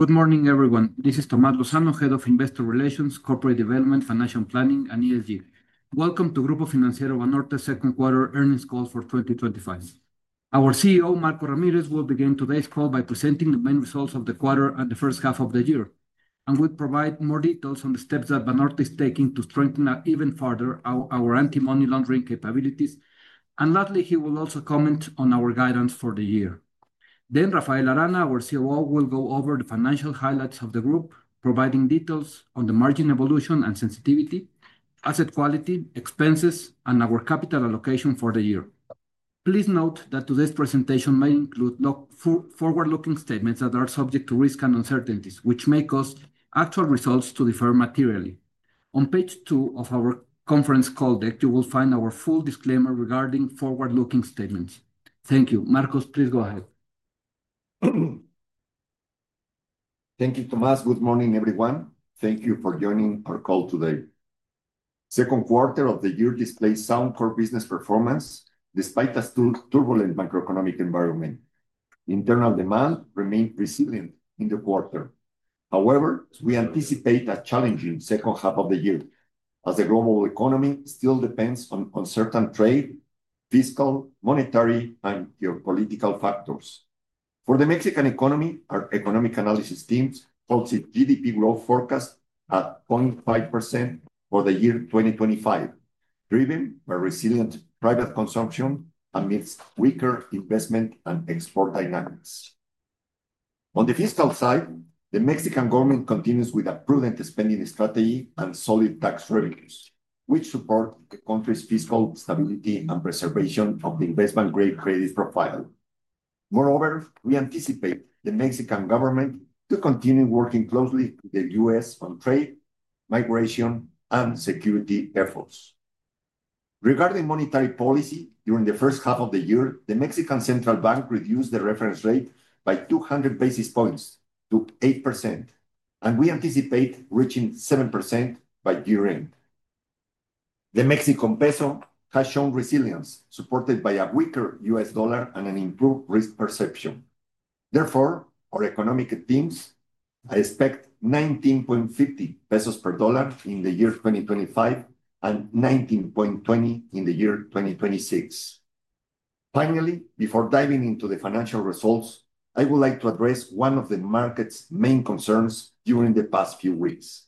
Good morning, everyone. This is Tomás Lozano, Head of Investor Relations, Corporate Development, Financial Planning, and ESG. Welcome to Grupo Financiero Banorte's second quarter earnings call for 2025. Our CEO, Marcos Ramírez, will begin today's call by presenting the main results of the quarter and the first half of the year, and will provide more details on the steps that Banorte is taking to strengthen even further our anti-money laundering capabilities. Lastly, he will also comment on our guidance for the year. Rafael Arana, our COO, will go over the financial highlights of the group, providing details on the margin evolution and sensitivity, asset quality, expenses, and our capital allocation for the year. Please note that today's presentation may include forward-looking statements that are subject to risk and uncertainties, which may cause actual results to differ materially. On page two of our conference call deck, you will find our full disclaimer regarding forward-looking statements. Thank you. Marcos, please go ahead. Thank you, Tomás. Good morning, everyone. Thank you for joining our call today. The second quarter of the year displays sound core business performance despite a turbulent macroeconomic environment. Internal demand remained resilient in the quarter. However, we anticipate a challenging second half of the year as the global economy still depends on certain trade, fiscal, monetary, and geopolitical factors. For the Mexican economy, our economic analysis team forecasts GDP growth forecasts at 0.5% for the year 2025, driven by resilient private consumption amidst weaker investment and export dynamics. On the fiscal side, the Mexican government continues with a prudent spending strategy and solid tax revenues, which support the country's fiscal stability and preservation of the investment-grade credit profile. Moreover, we anticipate the Mexican government to continue working closely with the U.S. on trade, migration, and security efforts. Regarding monetary policy, during the first half of the year, the Mexican Central Bank reduced the reference rate by 200 basis points to 8%, and we anticipate reaching 7% by year-end. The Mexican peso has shown resilience, supported by a weaker U.S. dollar and an improved risk perception. Therefore, our economic teams expect 19.50 pesos per dollar in the year 2025 and 19.20 in the year 2026. Finally, before diving into the financial results, I would like to address one of the market's main concerns during the past few weeks.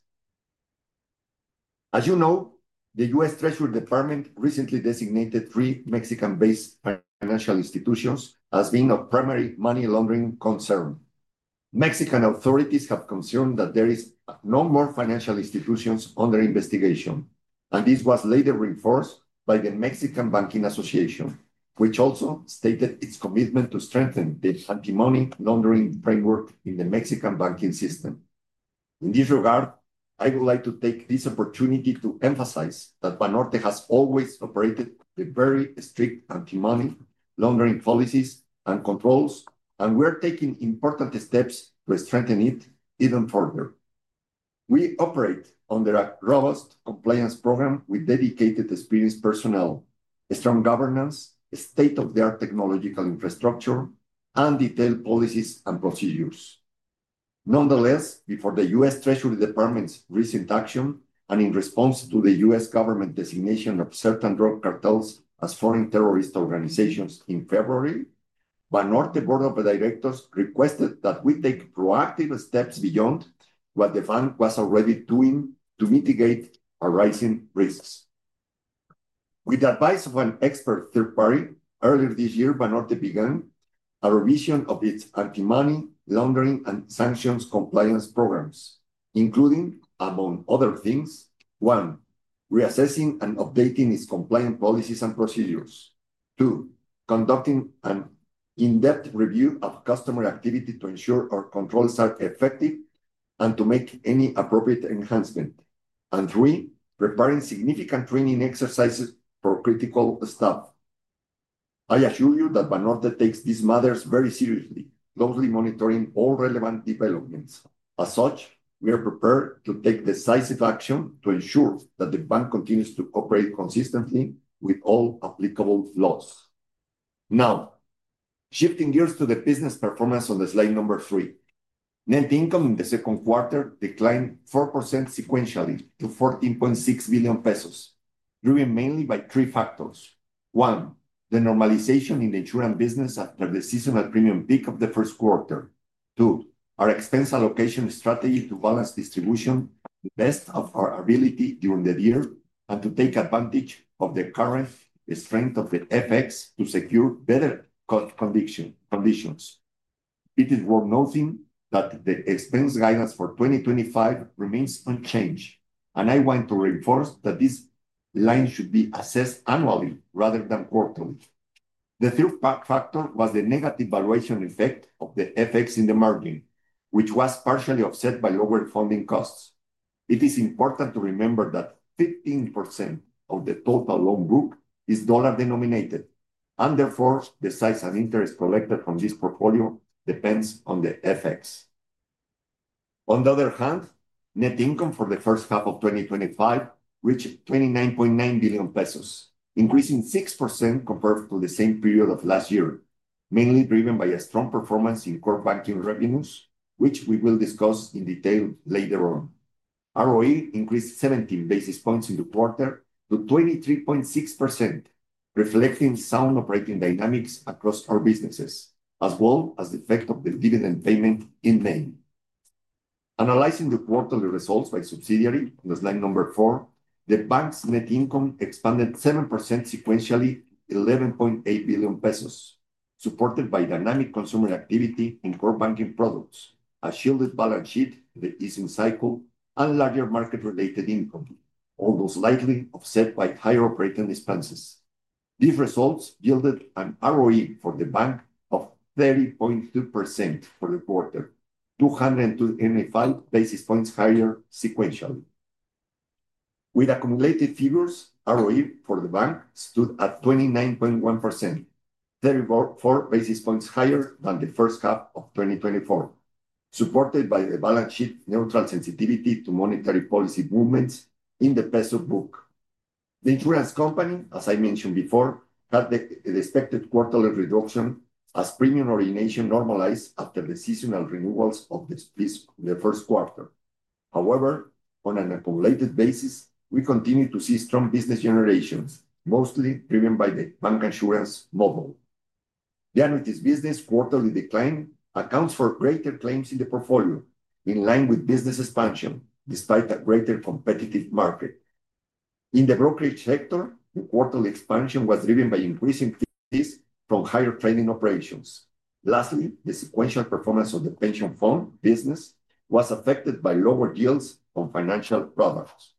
As you know, the U.S. Treasury Department recently designated three Mexican-based financial institutions as being of primary money laundering concern. Mexican authorities have confirmed that there are no more financial institutions under investigation, and this was later reinforced by the Mexican Banking Association, which also stated its commitment to strengthen the anti-money laundering framework in the Mexican banking system. In this regard, I would like to take this opportunity to emphasize that Banorte has always operated with very strict anti-money laundering policies and controls, and we are taking important steps to strengthen it even further. We operate under a robust compliance program with dedicated experienced personnel, strong governance, state-of-the-art technological infrastructure, and detailed policies and procedures. Nonetheless, before the U.S. Treasury Department's recent action and in response to the U.S. government designation of certain drug cartels as foreign terrorist organizations in February, Banorte Board of Directors requested that we take proactive steps beyond what the bank was already doing to mitigate arising risks. With the advice of an expert third-party, earlier this year, Banorte began a revision of its anti-money laundering and sanctions compliance programs, including, among other things, one, reassessing and updating its compliance policies and procedures; two, conducting an in-depth review of customer activity to ensure our controls are effective and to make any appropriate enhancement; and three, preparing significant training exercises for critical staff. I assure you that Banorte takes these matters very seriously, closely monitoring all relevant developments. As such, we are prepared to take decisive action to ensure that the bank continues to operate consistently with all applicable laws. Now. Shifting gears to the business performance on the slide number three, net income in the second quarter declined 4% sequentially to 14.6 billion pesos, driven mainly by three factors. One, the normalization in the insurance business after the seasonal premium peak of the first quarter. Two, our expense allocation strategy to balance distribution the best of our ability during the year and to take advantage of the current strength of the FX to secure better conditions. It is worth noting that the expense guidance for 2025 remains unchanged, and I want to reinforce that this line should be assessed annually rather than quarterly. The third factor was the negative valuation effect of the FX in the margin, which was partially offset by lower funding costs. It is important to remember that 15% of the total loan book is dollar-denominated, and therefore the size of interest collected from this portfolio depends on the FX. On the other hand, net income for the first half of 2025 reached 29.9 billion pesos, increasing 6% compared to the same period of last year, mainly driven by a strong performance in core banking revenues, which we will discuss in detail later on. ROE increased 17 basis points in the quarter to 23.6%, reflecting sound operating dynamics across our businesses, as well as the effect of the dividend payment in May. Analyzing the quarterly results by subsidiary on the slide number four, the bank's net income expanded 7% sequentially to 11.8 billion pesos, supported by dynamic consumer activity in core banking products, a shielded balance sheet, the easing cycle, and larger market-related income, although slightly offset by higher operating expenses. These results yielded an ROE for the bank of 30.2% for the quarter, 225 basis points higher sequentially. With accumulated figures, ROE for the bank stood at 29.1%, 34 basis points higher than the first half of 2024, supported by the balance sheet neutral sensitivity to monetary policy movements in the peso book. The insurance company, as I mentioned before, had the expected quarterly reduction as premium origination normalized after the seasonal renewals of the first quarter. However, on an accumulated basis, we continue to see strong business generations, mostly driven by the bank insurance model. The annuities business quarterly decline accounts for greater claims in the portfolio, in line with business expansion, despite a greater competitive market. In the brokerage sector, the quarterly expansion was driven by increasing fees from higher trading operations. Lastly, the sequential performance of the pension fund business was affected by lower yields on financial products.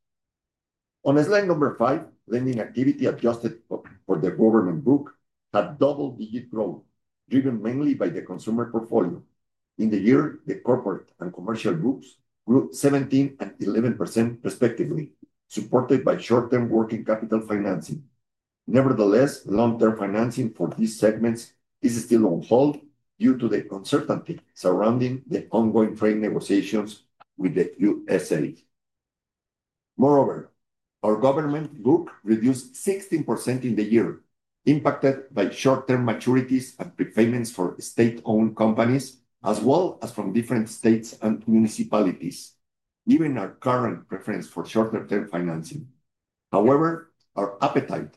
On slide number five, lending activity adjusted for the government book had double-digit growth, driven mainly by the consumer portfolio. In the year, the corporate and commercial books grew 17% and 11% respectively, supported by short-term working capital financing. Nevertheless, long-term financing for these segments is still on hold due to the uncertainty surrounding the ongoing trade negotiations with the U.S.A. Moreover, our government book reduced 16% in the year, impacted by short-term maturities and prepayments for state-owned companies, as well as from different states and municipalities, given our current preference for shorter-term financing. However, our appetite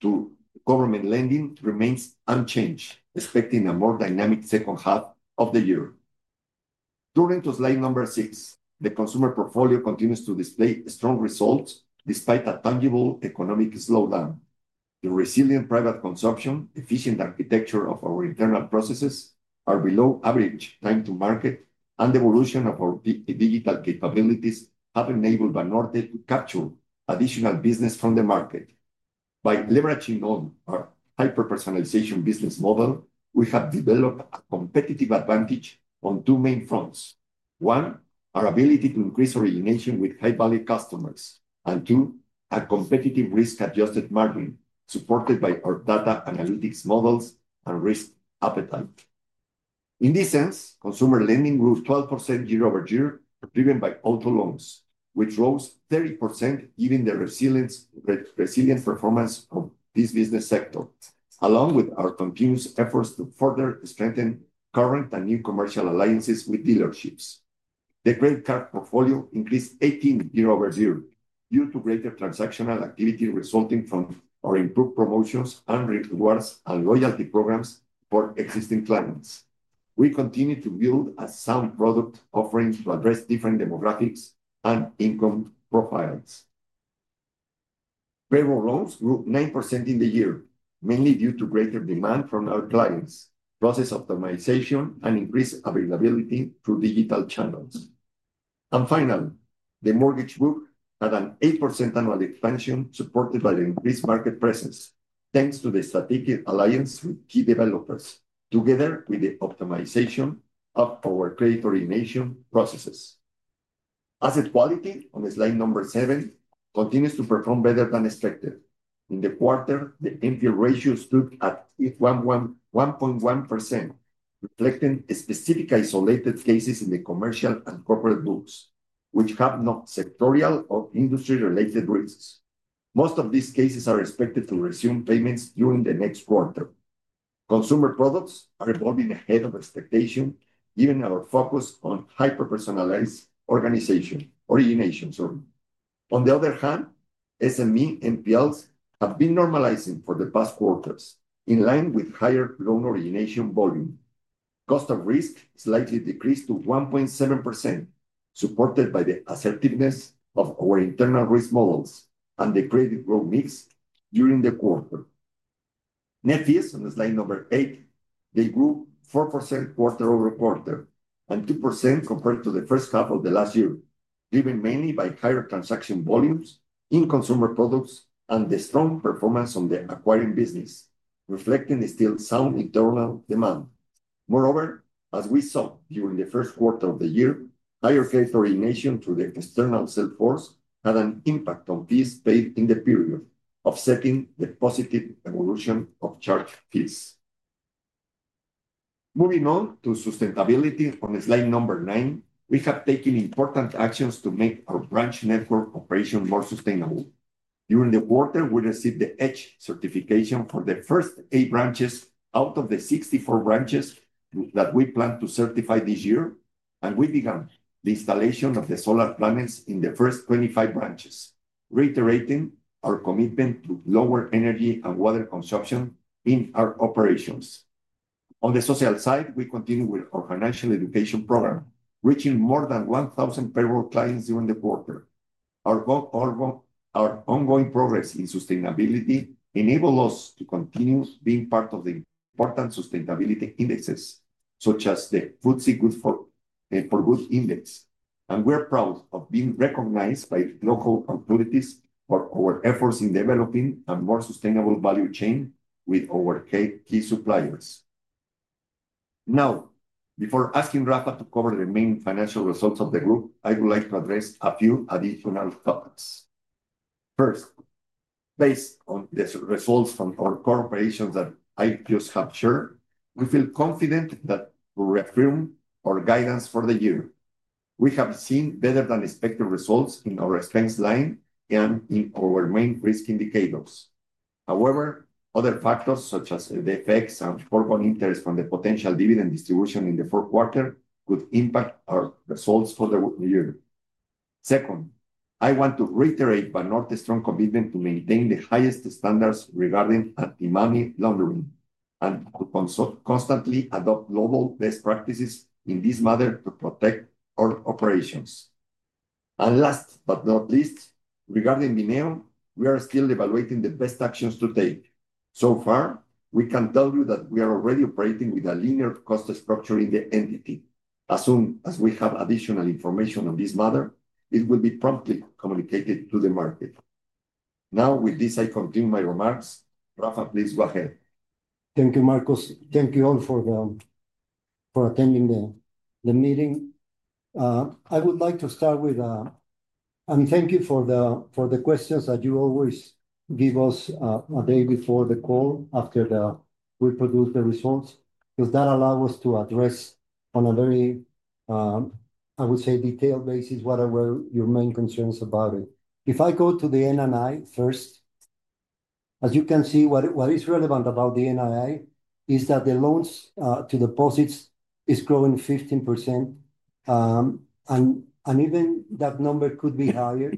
to government lending remains unchanged, expecting a more dynamic second half of the year. Turning to slide number six, the consumer portfolio continues to display strong results despite a tangible economic slowdown. The resilient private consumption, efficient architecture of our internal processes, our below-average time-to-market, and evolution of our digital capabilities have enabled Banorte to capture additional business from the market. By leveraging our hyper-personalization business model, we have developed a competitive advantage on two main fronts. One, our ability to increase origination with high-value customers, and two, a competitive risk-adjusted margin supported by our data analytics models and risk appetite. In this sense, consumer lending grew 12% year-over-year, driven by auto loans, which rose 30%, given the resilient performance of this business sector, along with our continuous efforts to further strengthen current and new commercial alliances with dealerships. The credit card portfolio increased 18% year-over-year due to greater transactional activity resulting from our improved promotions and rewards and loyalty programs for existing clients. We continue to build a sound product offering to address different demographics and income profiles. Payroll loans grew 9% in the year, mainly due to greater demand from our clients, process optimization, and increased availability through digital channels. Finally, the mortgage book had an 8% annual expansion supported by the increased market presence, thanks to the strategic alliance with key developers, together with the optimization of our credit origination processes. Asset quality, on slide number seven, continues to perform better than expected. In the quarter, the NPL ratio stood at 1.1%, reflecting specific isolated cases in the commercial and corporate books, which have no sectorial or industry-related risks. Most of these cases are expected to resume payments during the next quarter. Consumer products are evolving ahead of expectation, given our focus on hyper-personalized origination. On the other hand, SME NPLs have been normalizing for the past quarters, in line with higher loan origination volume. Cost of risk slightly decreased to 1.7%, supported by the assertiveness of our internal risk models and the credit growth mix during the quarter. Net fees, on slide number eight, grew 4% quarter-over-quarter and 2% compared to the first half of the last year, driven mainly by higher transaction volumes in consumer products and the strong performance on the acquiring business, reflecting still sound internal demand. Moreover, as we saw during the first quarter of the year, higher credit origination through the external sales force had an impact on fees paid in the period, offsetting the positive evolution of charge fees. Moving on to sustainability, on slide number nine, we have taken important actions to make our branch network operation more sustainable. During the quarter, we received the EDGE certification for the first eight branches out of the 64 branches that we plan to certify this year, and we began the installation of the solar panels in the first 25 branches, reiterating our commitment to lower energy and water consumption in our operations. On the social side, we continue with our financial education program, reaching more than 1,000 payroll clients during the quarter. Our ongoing progress in sustainability enabled us to continue being part of the important sustainability indexes, such as the FTSE4Good Index, and we're proud of being recognized by local authorities for our efforts in developing a more sustainable value chain with our key suppliers. Now, before asking Rafa to cover the main financial results of the group, I would like to address a few additional topics. First, based on the results from our core operations that I just captured, we feel confident that we reaffirm our guidance for the year. We have seen better-than-expected results in our expense line and in our main risk indicators. However, other factors, such as the FX and foreign interest from the potential dividend distribution in the fourth quarter, could impact our results for the year. Second, I want to reiterate Banorte's strong commitment to maintain the highest standards regarding anti-money laundering and to constantly adopt global best practices in this matter to protect our operations. Last but not least, regarding Bineo, we are still evaluating the best actions to take. So far, we can tell you that we are already operating with a linear cost structure in the entity. As soon as we have additional information on this matter, it will be promptly communicated to the market. Now, with this, I conclude my remarks. Rafa, please go ahead. Thank you, Marcos. Thank you all for attending the meeting. I would like to start with, and thank you for the questions that you always give us a day before the call after we produce the results, because that allows us to address on a very, I would say, detailed basis whatever your main concerns about it. If I go to the NII first, as you can see, what is relevant about the NII is that the loans to deposits are growing 15%. Even that number could be higher.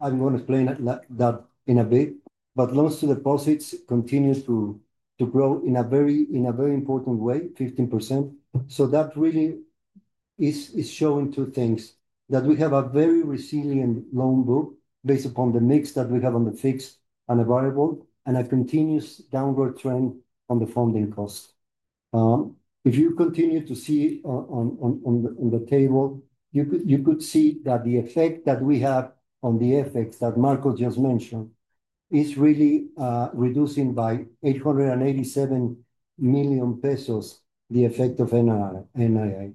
I'm going to explain that in a bit, but loans to deposits continue to grow in a very important way, 15%. That really is showing two things: that we have a very resilient loan book based upon the mix that we have on the fixed and the variable, and a continuous downward trend on the funding cost. If you continue to see on the table, you could see that the effect that we have on the FX that Marcos just mentioned is really reducing by 887 million pesos the effect of NII.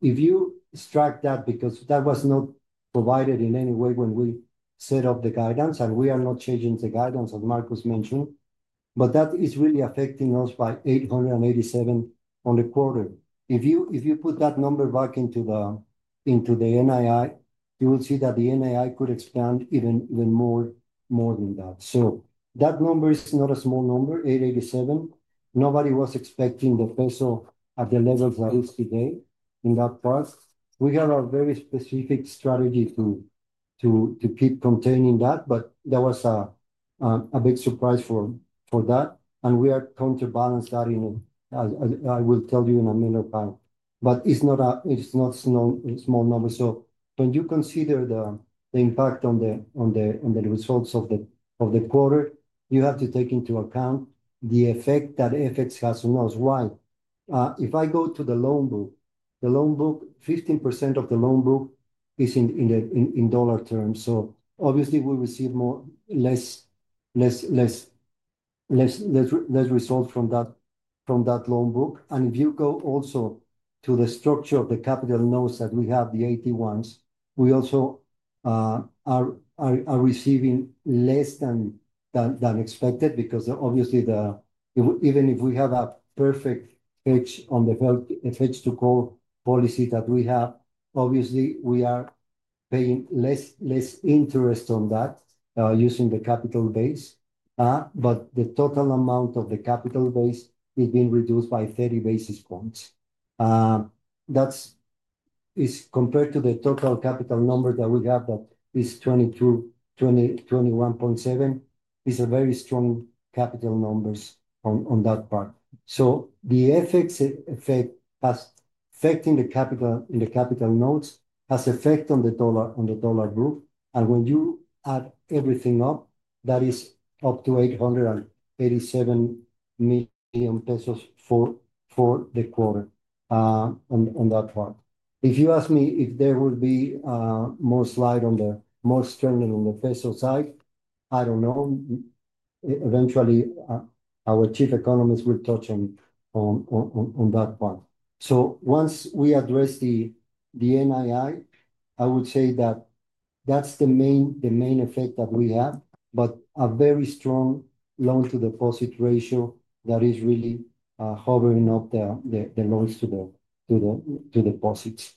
If you extract that, because that was not provided in any way when we set up the guidance, and we are not changing the guidance, as Marcos mentioned, but that is really affecting us by 887 million on the quarter. If you put that number back into the NII, you will see that the NII could expand even more than that. That number is not a small number, 887 million. Nobody was expecting the peso at the levels that it is today in that part. We have a very specific strategy to keep containing that, but that was a big surprise for that. We are trying to balance that in a, as I will tell you in a minute, but. It is not a small number. When you consider the impact on the results of the quarter, you have to take into account the effect that FX has on us. Why? If I go to the loan book, 15% of the loan book is in dollar terms. Obviously, we receive less results from that loan book. If you go also to the structure of the capital notes that we have, the AT1s, we also are receiving less than expected, because obviously, even if we have a perfect hedge on the hedge to call policy that we have, we are paying less interest on that, using the capital base. The total amount of the capital base is being reduced by 30 basis points. That is compared to the total capital number that we have, that is 21.7, which is a very strong capital number on that part. The FX effect affecting the capital in the capital notes has effect on the dollar group. When you add everything up, that is up to 887 million pesos for the quarter on that part. If you ask me if there would be more slide or more strength on the peso side, I do not know. Eventually, our Chief Economist will touch on that part. Once we address the NII, I would say that is the main effect that we have, but a very strong loan-to-deposit ratio that is really hovering up the loans to the deposits.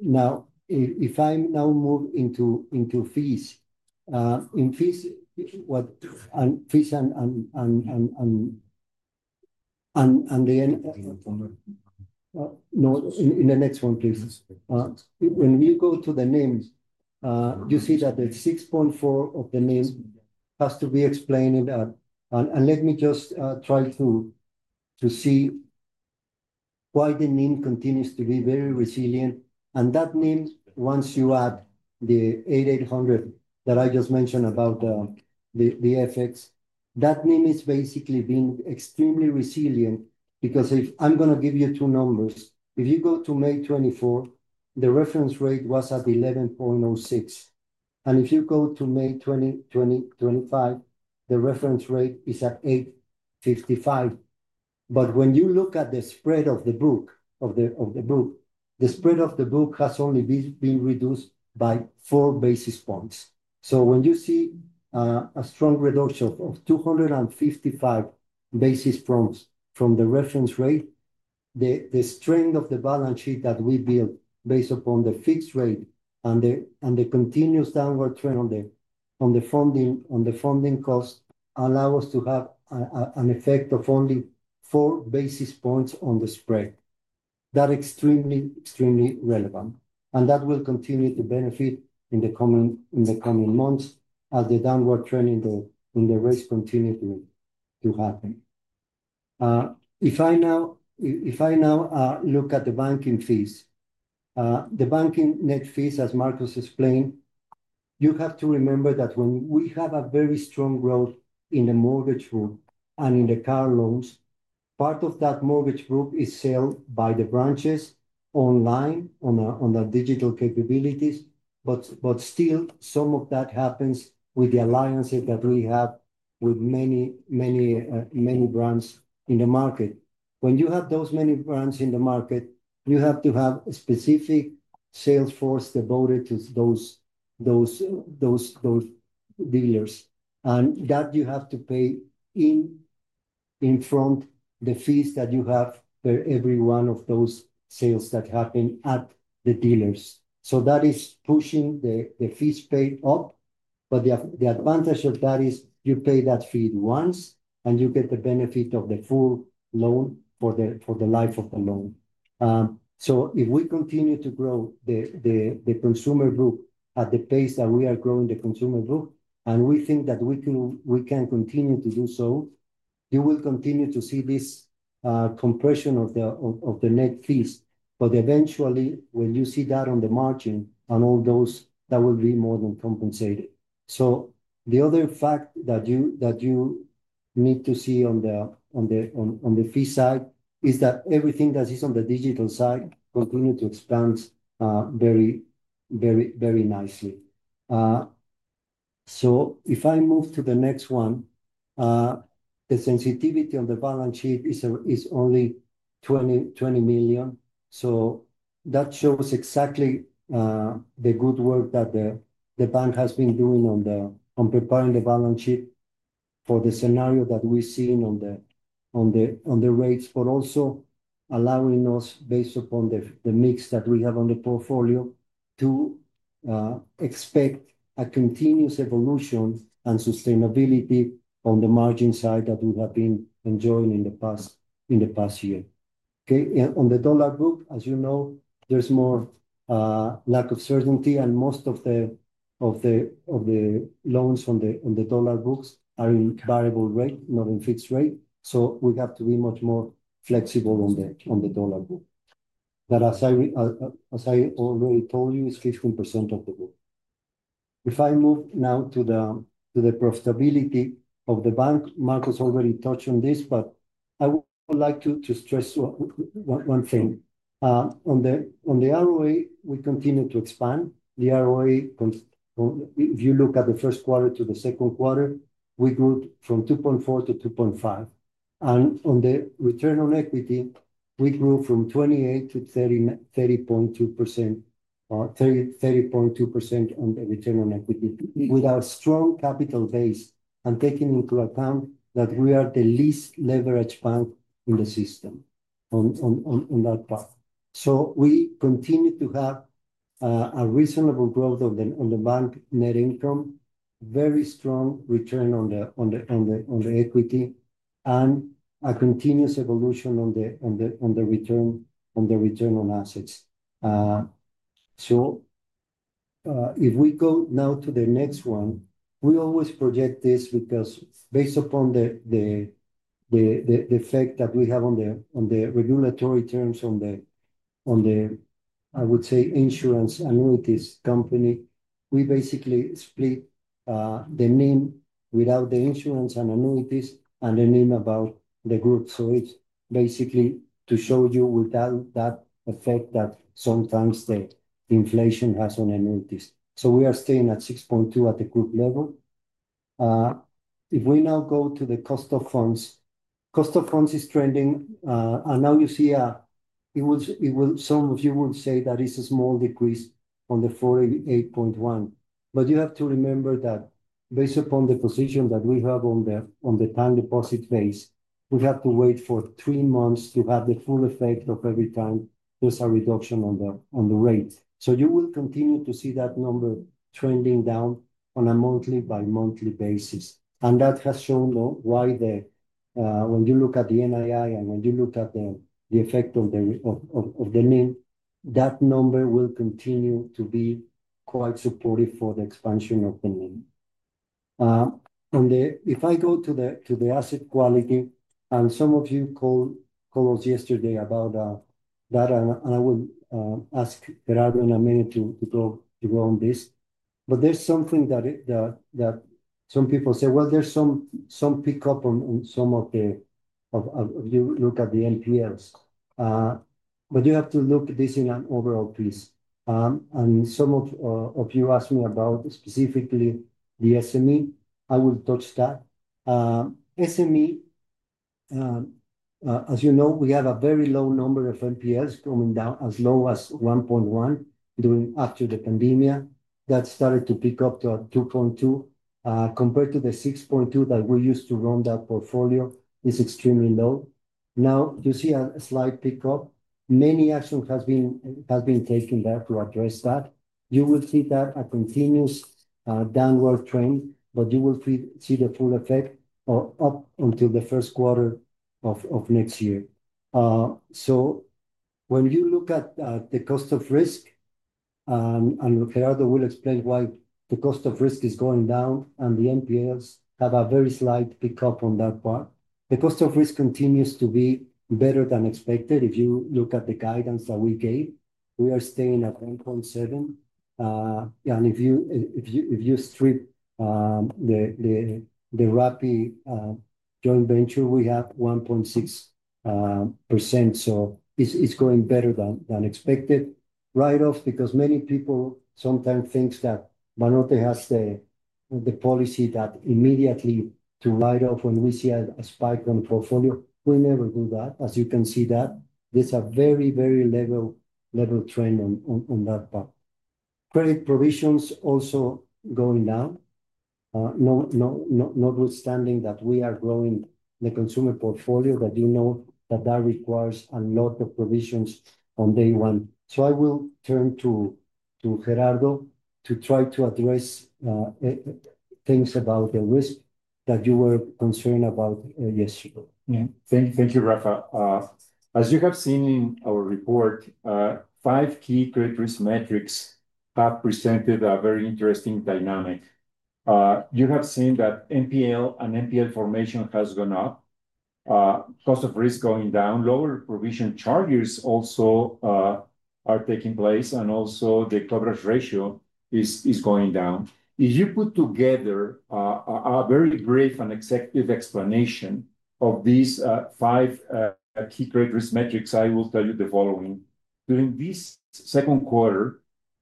Now, if I move into fees, in fees, and the end—no, in the next one, please. When you go to the NIMs, you see that the 6.4% of the NIM has to be explained. Let me just try to see why the NIM continues to be very resilient. That NIM, once you add the 8,800 that I just mentioned about the FX, that NIM is basically being extremely resilient. If I'm going to give you two numbers, if you go to May 2024, the reference rate was at 11.06%. If you go to May 2025, the reference rate is at 8.55%. When you look at the spread of the book, the spread of the book has only been reduced by four basis points. When you see a strong reduction of 255 basis points from the reference rate, the strength of the balance sheet that we built based upon the fixed rate and the continuous downward trend on the funding cost allow us to have an effect of only four basis points on the spread. That is extremely, extremely relevant. That will continue to benefit in the coming months as the downward trend in the rates continue to happen. If I now look at the banking fees, the banking net fees, as Marcos explained, you have to remember that when we have a very strong growth in the mortgage group and in the car loans, part of that mortgage group is sold by the branches online on the digital capabilities. Still, some of that happens with the alliances that we have with many brands in the market. When you have those many brands in the market, you have to have a specific salesforce devoted to those dealers. You have to pay in front the fees that you have for every one of those sales that happen at the dealers. That is pushing the fees paid up. The advantage of that is you pay that fee once and you get the benefit of the full loan for the life of the loan. If we continue to grow the consumer group at the pace that we are growing the consumer group, and we think that we can continue to do so, you will continue to see this compression of the net fees. Eventually, when you see that on the margin on all those, that will be more than compensated. The other fact that you need to see on the fee side is that everything that is on the digital side continue to expand very, very nicely. If I move to the next one, the sensitivity on the balance sheet is only 20 million. That shows exactly the good work that the bank has been doing on preparing the balance sheet for the scenario that we're seeing on the rates, but also allowing us, based upon the mix that we have on the portfolio, to expect a continuous evolution and sustainability on the margin side that we have been enjoying in the past year. On the dollar book, as you know, there's more lack of certainty, and most of the loans on the dollar books are in variable rate, not in fixed rate. We have to be much more flexible on the dollar book. That, as I already told you, is 15% of the book. If I move now to the profitability of the bank, Marcos already touched on this, but I would like to stress one thing. On the ROA, we continue to expand. The ROA, if you look at the first quarter to the second quarter, we grew from 2.4% to 2.5%. On the return on equity, we grew from 28% to 30.2%. 30.2% on the return on equity. With our strong capital base and taking into account that we are the least leveraged bank in the system on that part. We continue to have a reasonable growth of the bank net income, very strong return on the equity, and a continuous evolution on the return on assets. If we go now to the next one, we always project this because based upon the fact that we have on the regulatory terms on the, I would say, insurance annuities company, we basically split the NIM without the insurance and annuities and the NIM about the group. It is basically to show you without that effect that sometimes the inflation has on annuities. We are staying at 6.2% at the group level. If we now go to the cost of funds, cost of funds is trending. Now you see it will, some of you will say that it's a small decrease on the 48.1%. You have to remember that based upon the position that we have on the time deposit base, we have to wait for three months to have the full effect of every time there's a reduction on the rate. You will continue to see that number trending down on a monthly by monthly basis. That has shown why when you look at the NII and when you look at the effect on the NIM, that number will continue to be quite supportive for the expansion of the NIM. If I go to the asset quality, and some of you called us yesterday about that, I will ask Gerardo in a minute to go on this. There is something that some people say, well, there is some pickup on some of the, if you look at the NPLs. You have to look at this in an overall piece. Some of you asked me specifically about the SME. I will touch that. SME, as you know, we have a very low number of NPLs coming down as low as 1.1% during, after the pandemia. That started to pick up to 2.2%. Compared to the 6.2% that we used to run that portfolio, it is extremely low. Now, you see a slight pickup. Many actions have been taken there to address that. You will see a continuous downward trend, but you will see the full effect up until the first quarter of next year. When you look at the cost of risk, and Gerardo will explain why the cost of risk is going down and the NPLs have a very slight pickup on that part. The cost of risk continues to be better than expected. If you look at the guidance that we gave, we are staying at 1.7%. If you strip the Rappi joint venture, we have 1.6%. It is going better than expected. Right off, because many people sometimes think that Banorte has the policy to immediately write off when we see a spike on the portfolio. We never do that. As you can see, there is a very, very level trend on that part. Credit provisions also going down, notwithstanding that we are growing the consumer portfolio, that you know requires a lot of provisions on day one. I will turn to Gerardo to try to address things about the risk that you were concerned about yesterday. Yeah, thank you, Rafa. As you have seen in our report, five key credit risk metrics have presented a very interesting dynamic. You have seen that NPL and NPL formation has gone up. Cost of risk going down, lower provision charges also are taking place, and also the coverage ratio is going down. If you put together a very brief and executive explanation of these five key credit risk metrics, I will tell you the following. During this second quarter,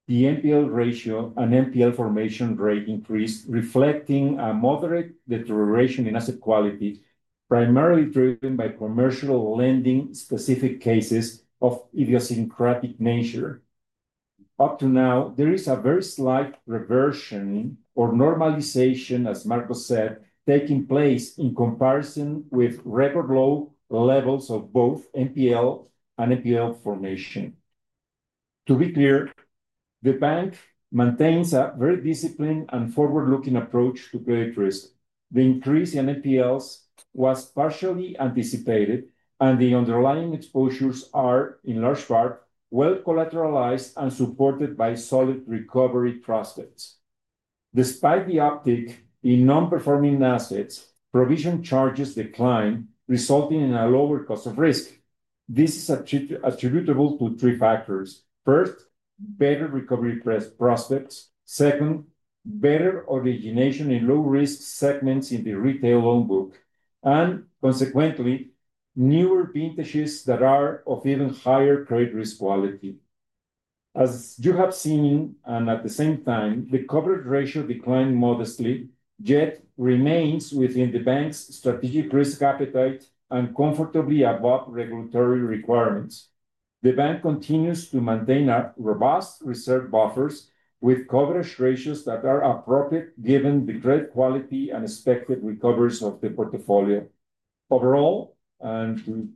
the NPL ratio and NPL formation rate increased, reflecting a moderate deterioration in asset quality, primarily driven by commercial lending specific cases of idiosyncratic nature. Up to now, there is a very slight reversion or normalization, as Marcos said, taking place in comparison with record low levels of both NPL and NPL formation. To be clear, the bank maintains a very disciplined and forward-looking approach to credit risk. The increase in NPLs was partially anticipated, and the underlying exposures are, in large part, well-collateralized and supported by solid recovery prospects. Despite the uptick in non-performing assets, provision charges declined, resulting in a lower cost of risk. This is attributable to three factors. First, better recovery prospects. Second, better origination in low-risk segments in the retail loan book. And consequently, newer vintages that are of even higher credit risk quality. As you have seen, at the same time, the coverage ratio declined modestly, yet remains within the bank's strategic risk appetite and comfortably above regulatory requirements. The bank continues to maintain robust reserve buffers with coverage ratios that are appropriate given the credit quality and expected recoveries of the portfolio. Overall, to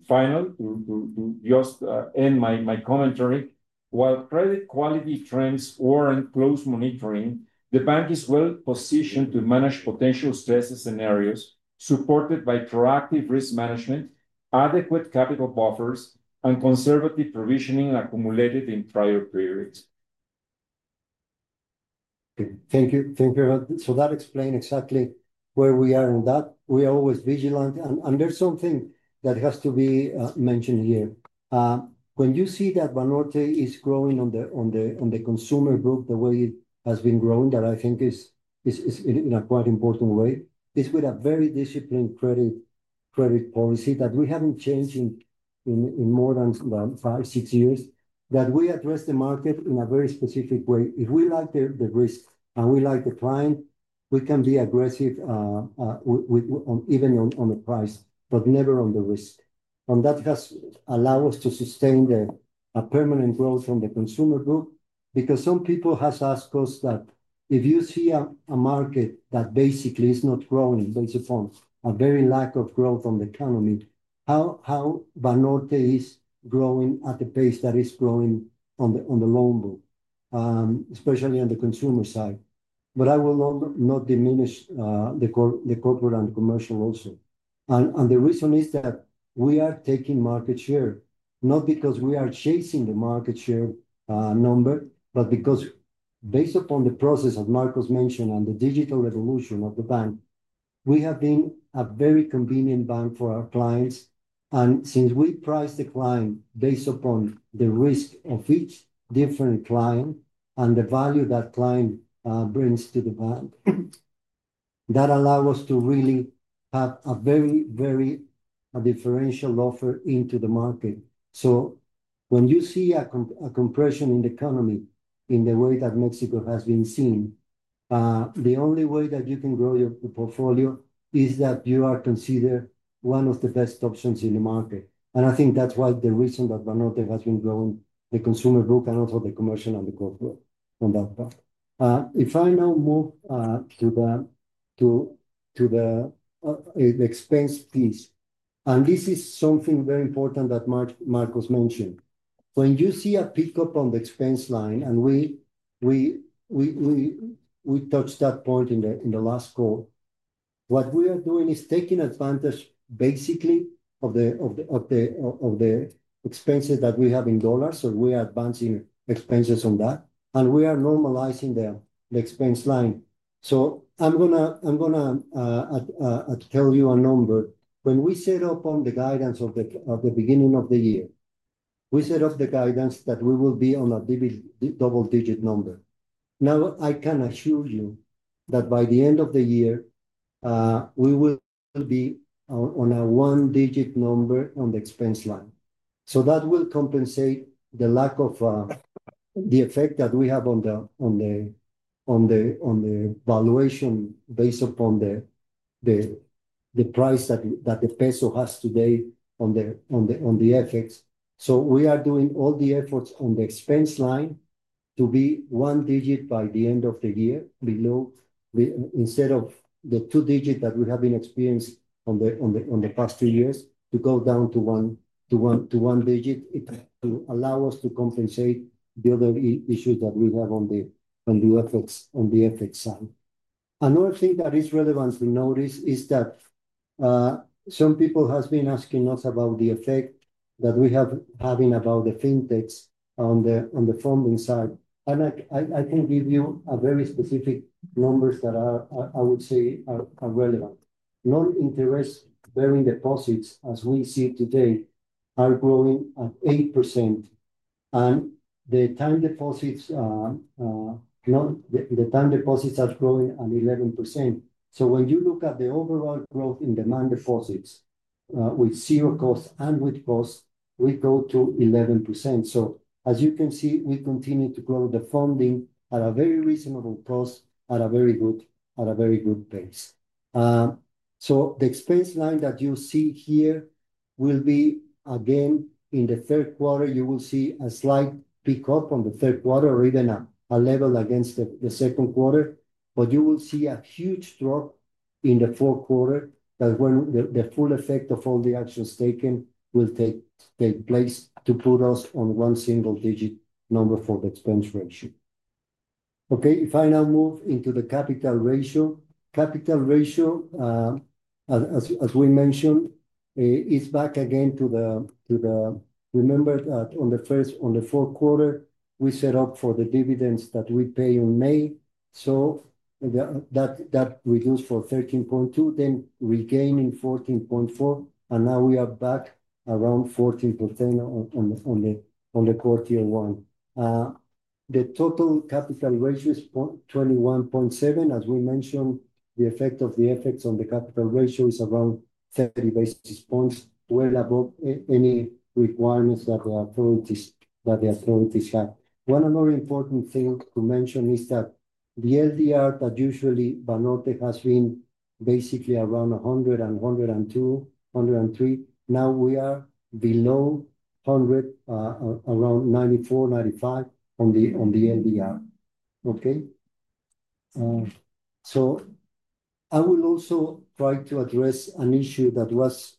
just end my commentary, while credit quality trends warrant close monitoring, the bank is well-positioned to manage potential stress scenarios supported by proactive risk management, adequate capital buffers, and conservative provisioning accumulated in prior periods. Thank you. Thank you very much. That explains exactly where we are in that. We are always vigilant. There is something that has to be mentioned here. When you see that Banorte is growing on the consumer group the way it has been growing, that I think is in a quite important way, is with a very disciplined credit policy that we have not changed in more than five, six years, that we address the market in a very specific way. If we like the risk and we like the client, we can be aggressive even on the price, but never on the risk. That has allowed us to sustain permanent growth from the consumer group because some people have asked us that if you see a market that basically is not growing based upon a very lack of growth on the economy, how Banorte is growing at the pace that it is growing on the loan book, especially on the consumer side. I will not diminish the corporate and the commercial also. The reason is that we are taking market share, not because we are chasing the market share number, but because based upon the process as Marcos mentioned and the digital revolution of the bank, we have been a very convenient bank for our clients. Since we price the client based upon the risk of each different client and the value that client brings to the bank, that allows us to really have a very differential offer into the market. When you see a compression in the economy in the way that Mexico has been seen, the only way that you can grow your portfolio is that you are considered one of the best options in the market. I think that's why the reason that Banorte has been growing the consumer book and also the commercial and the corporate on that part. If I now move to the expense piece, and this is something very important that Marcos mentioned, when you see a pickup on the expense line, and we touched that point in the last call, what we are doing is taking advantage basically of the expenses that we have in dollars. We are advancing expenses on that, and we are normalizing the expense line. I'm going to tell you a number. When we set up on the guidance at the beginning of the year, we set up the guidance that we will be on a double-digit number. Now, I can assure you that by the end of the year, we will be on a one-digit number on the expense line. That will compensate the lack of the effect that we have on the valuation based upon the price that the peso has today on the effects. We are doing all the efforts on the expense line to be one digit by the end of the year instead of the two digit that we have been experiencing in the past two years, to go down to one digit to allow us to compensate the other issues that we have on the effects side. Another thing that is relevant to notice is that some people have been asking us about the effect that we are having about the fintechs on the funding side. I can give you very specific numbers that are, I would say, are relevant. Non-interest bearing deposits, as we see today, are growing at 8%. The time deposits are growing at 11%. When you look at the overall growth in demand deposits, with zero cost and with cost, we go to 11%. As you can see, we continue to grow the funding at a very reasonable cost, at a very good pace. The expense line that you see here will be, again, in the third quarter, you will see a slight pickup in the third quarter or even a level against the second quarter. You will see a huge drop in the fourth quarter when the full effect of all the actions taken will take place to put us on one single digit number for the expense ratio. Okay, if I now move into the capital ratio, capital ratio, as we mentioned, is back again to the, remember that on the first, on the fourth quarter, we set up for the dividends that we pay in May. So that reduced for 13.2%, then regaining 14.4%. And now we are back around 14.10% on the quarter one. The total capital ratio is 21.7%. As we mentioned, the effect of the effects on the capital ratio is around 30 basis points, well above any requirements that the authorities have. One other important thing to mention is that the LDR that usually Banorte has been basically around 100% and 102%, 103%. Now we are below 100%, around 94%-95% on the LDR. Okay. I will also try to address an issue that was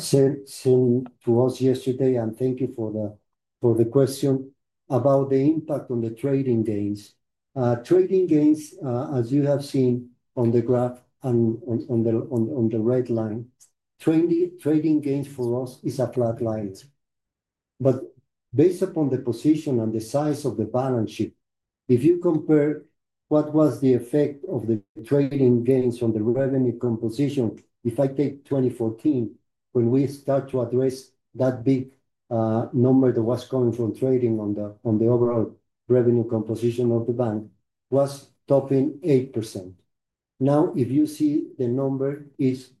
sent to us yesterday. And thank you for the question about the impact on the trading gains. Trading gains, as you have seen on the graph and on the red line, trading gains for us is a flat line. But based upon the position and the size of the balance sheet, if you compare what was the effect of the trading gains on the revenue composition, if I take 2014, when we start to address that big number that was coming from trading on the overall revenue composition of the bank, was topping 8%. Now, if you see the number, it is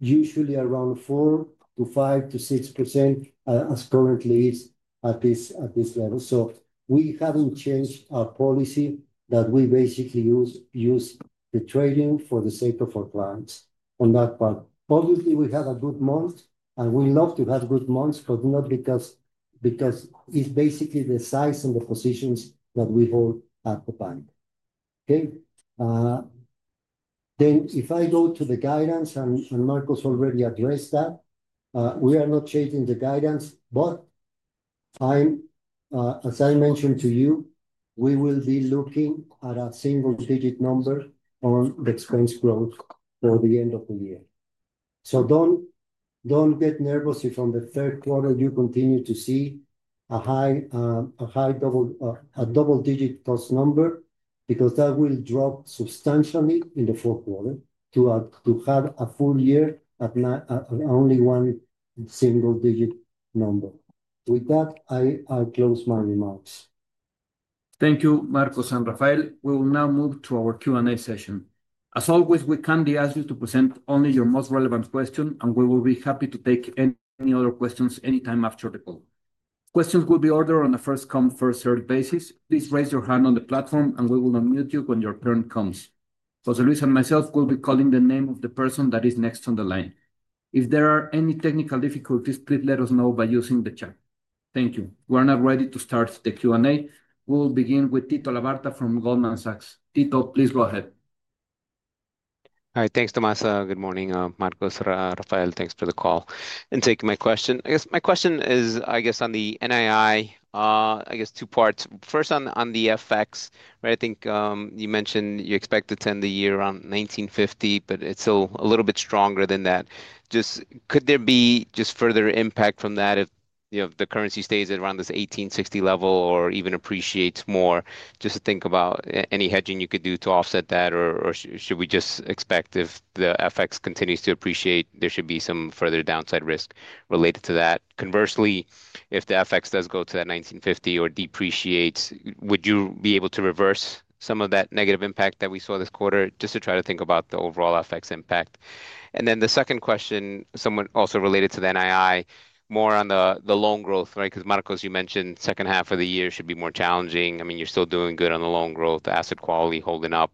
usually around 4%-5%-6% as currently is at this level. We have not changed our policy that we basically use the trading for the sake of our clients on that part. Obviously, we had a good month, and we love to have good months, but not because it is basically the size and the positions that we hold at the bank. If I go to the guidance, and Marcos already addressed that, we are not changing the guidance, but, as I mentioned to you, we will be looking at a single digit number on the expense growth for the end of the year. Do not get nervous if on the third quarter you continue to see a high double-digit cost number because that will drop substantially in the fourth quarter to have a full year at only one single-digit number. With that, I close my remarks. Thank you, Marcos and Rafael. We will now move to our Q&A session. As always, we kindly ask you to present only your most relevant question, and we will be happy to take any other questions anytime after the call. Questions will be ordered on a first-come, first-served basis. Please raise your hand on the platform, and we will unmute you when your turn comes. Jose Luis and myself will be calling the name of the person that is next on the line. If there are any technical difficulties, please let us know by using the chat. Thank you. We are now ready to start the Q&A. We'll begin with Tito Labarta from Goldman Sachs. Tito, please go ahead. All right, thanks, Tomás. Good morning, Marcos, Rafael. Thanks for the call and taking my question. I guess my question is, I guess, on the NII, I guess two parts. First, on the FX, right? I think you mentioned you expect to end the year around 19.50, but it's still a little bit stronger than that. Just could there be just further impact from that if you know the currency stays at around this 18.60 level or even appreciates more? Just to think about any hedging you could do to offset that, or should we just expect if the FX continues to appreciate, there should be some further downside risk related to that? Conversely, if the FX does go to that 19.50 or depreciates, would you be able to reverse some of that negative impact that we saw this quarter just to try to think about the overall FX impact? And then the second question, also related to the NII, more on the loan growth, right? Because Marcos, you mentioned second half of the year should be more challenging. I mean, you're still doing good on the loan growth, asset quality holding up.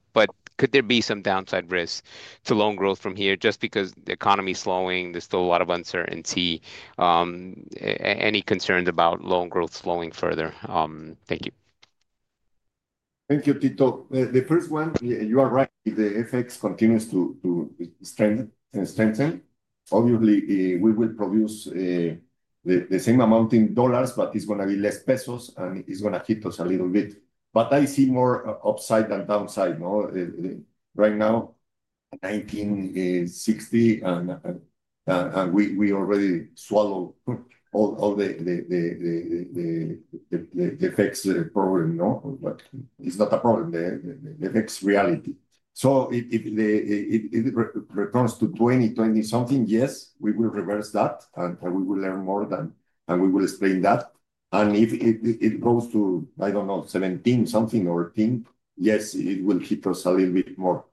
Could there be some downside risk to loan growth from here just because the economy is slowing? There's still a lot of uncertainty. Any concerns about loan growth slowing further? Thank you. Thank you, Tito. The first one, you are right. The FX continues to strengthen. Obviously, we will produce the same amount in dollars, but it's going to be less pesos, and it's going to hit us a little bit. I see more upside than downside right now. 19.60, and we already swallow all the FX problem, but it's not a problem, the FX reality. If it returns to 20.20 something, yes, we will reverse that, and we will earn more, and we will explain that. If it goes to, I don't know, 17 something or 18, yes, it will hit us a little bit more.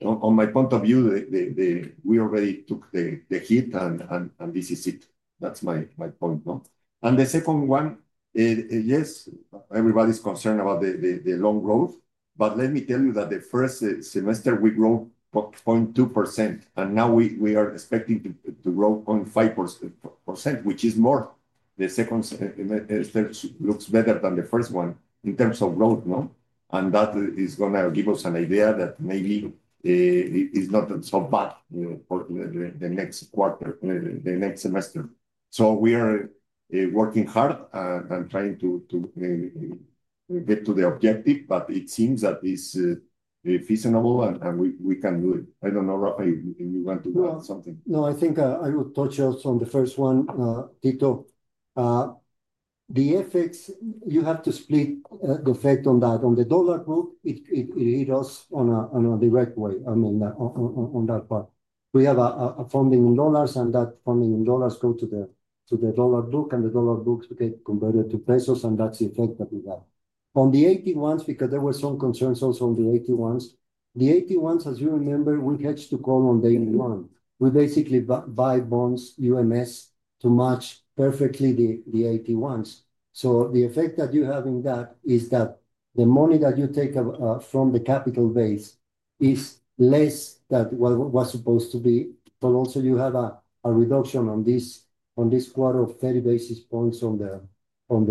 From my point of view, we already took the hit, and this is it. That's my point. The second one, yes, everybody's concerned about the loan growth. Let me tell you that the first semester we grew 0.2%, and now we are expecting to grow 0.5%, which is more. The second semester looks better than the first one in terms of growth. That is going to give us an idea that maybe it's not so bad for the next quarter, the next semester. We are working hard and trying to get to the objective, but it seems that it's feasible and we can do it. I don't know, Rafael, if you want to do something. No, I think I would touch also on the first one, Tito. The FX, you have to split the effect on that. On the dollar book, it hit us in a direct way. I mean, on that part. We have funding in dollars, and that funding in dollars goes to the dollar book, and the dollar book gets converted to pesos, and that's the effect that we got. On the AT1s, because there were some concerns also on the AT1s, the AT1s, as you remember, we hedged to call on day one. We basically buy bonds UMS to match perfectly the AT1s. The effect that you have in that is that the money that you take from the capital base is less than what was supposed to be. Also, you have a reduction this quarter of 30 basis points on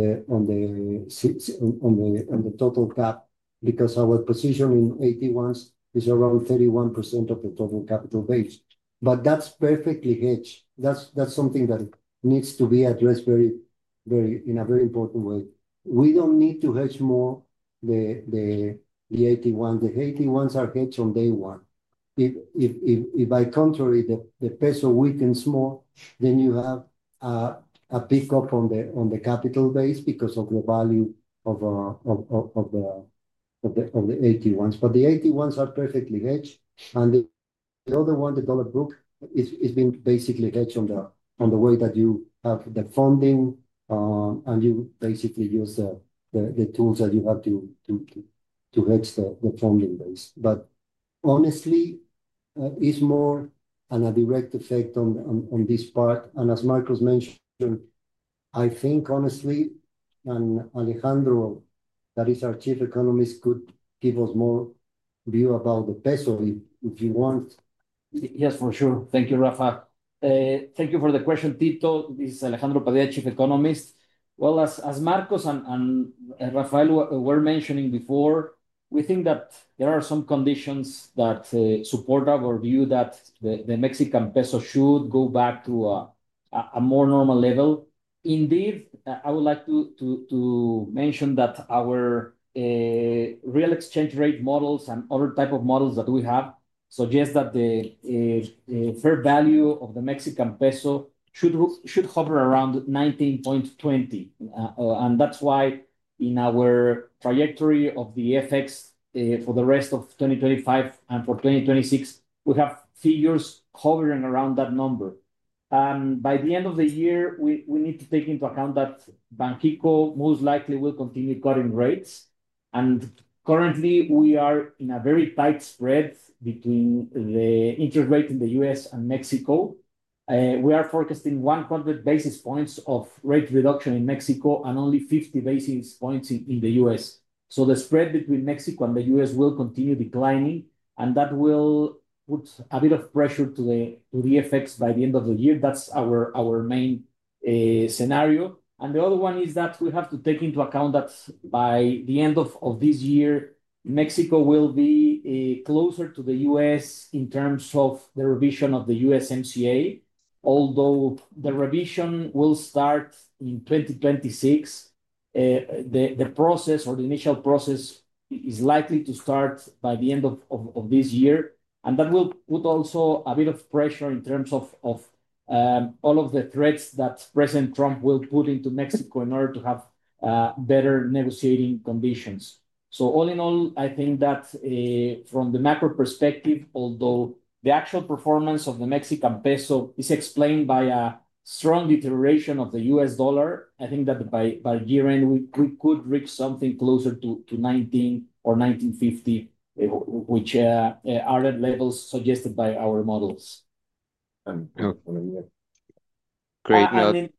the total cap because our position in AT1s is around 31% of the total capital base. That is perfectly hedged. That is something that needs to be addressed in a very important way. We don't need to hedge more the AT1. The AT1s are hedged on day one. If by contrary, the peso weakens more, then you have a pickup on the capital base because of the value of the AT1s. The AT1s are perfectly hedged. The other one, the dollar book, is being basically hedged in the way that you have the funding, and you basically use the tools that you have to hedge the funding base. Honestly, it's more a direct effect on this part. As Marcos mentioned, I think honestly, and Alejandro, that is our Chief Economist, could give us more view about the peso if you want. Yes, for sure. Thank you, Rafa. Thank you for the question, Tito. This is Alejandro Padilla, Chief Economist. As Marcos and Rafael were mentioning before, we think that there are some conditions that support our view that the Mexican peso should go back to a more normal level. Indeed, I would like to mention that our real exchange rate models and other types of models that we have suggest that the fair value of the Mexican peso should hover around 19.20. That is why in our trajectory of the FX for the rest of 2025 and for 2026, we have figures hovering around that number. By the end of the year, we need to take into account that Banxico most likely will continue cutting rates. Currently, we are in a very tight spread between the interest rate in the U.S. and Mexico. We are forecasting 100 basis points of rate reduction in Mexico and only 50 basis points in the U.S. The spread between Mexico and the U.S. will continue declining, and that will put a bit of pressure on the FX by the end of the year. That is our main scenario. The other one is that we have to take into account that by the end of this year, Mexico will be closer to the U.S. in terms of the revision of the USMCA, although the revision will start in 2026. The process or the initial process is likely to start by the end of this year. That will also put a bit of pressure in terms of all of the threats that President Trump will put on Mexico in order to have better negotiating conditions. All in all, I think that from the macro perspective, although the actual performance of the Mexican peso is explained by a strong deterioration of the U.S. dollar, I think that by year-end, we could reach something closer to 19 or 19.50, which are at levels suggested by our models. Great. Now. I mean,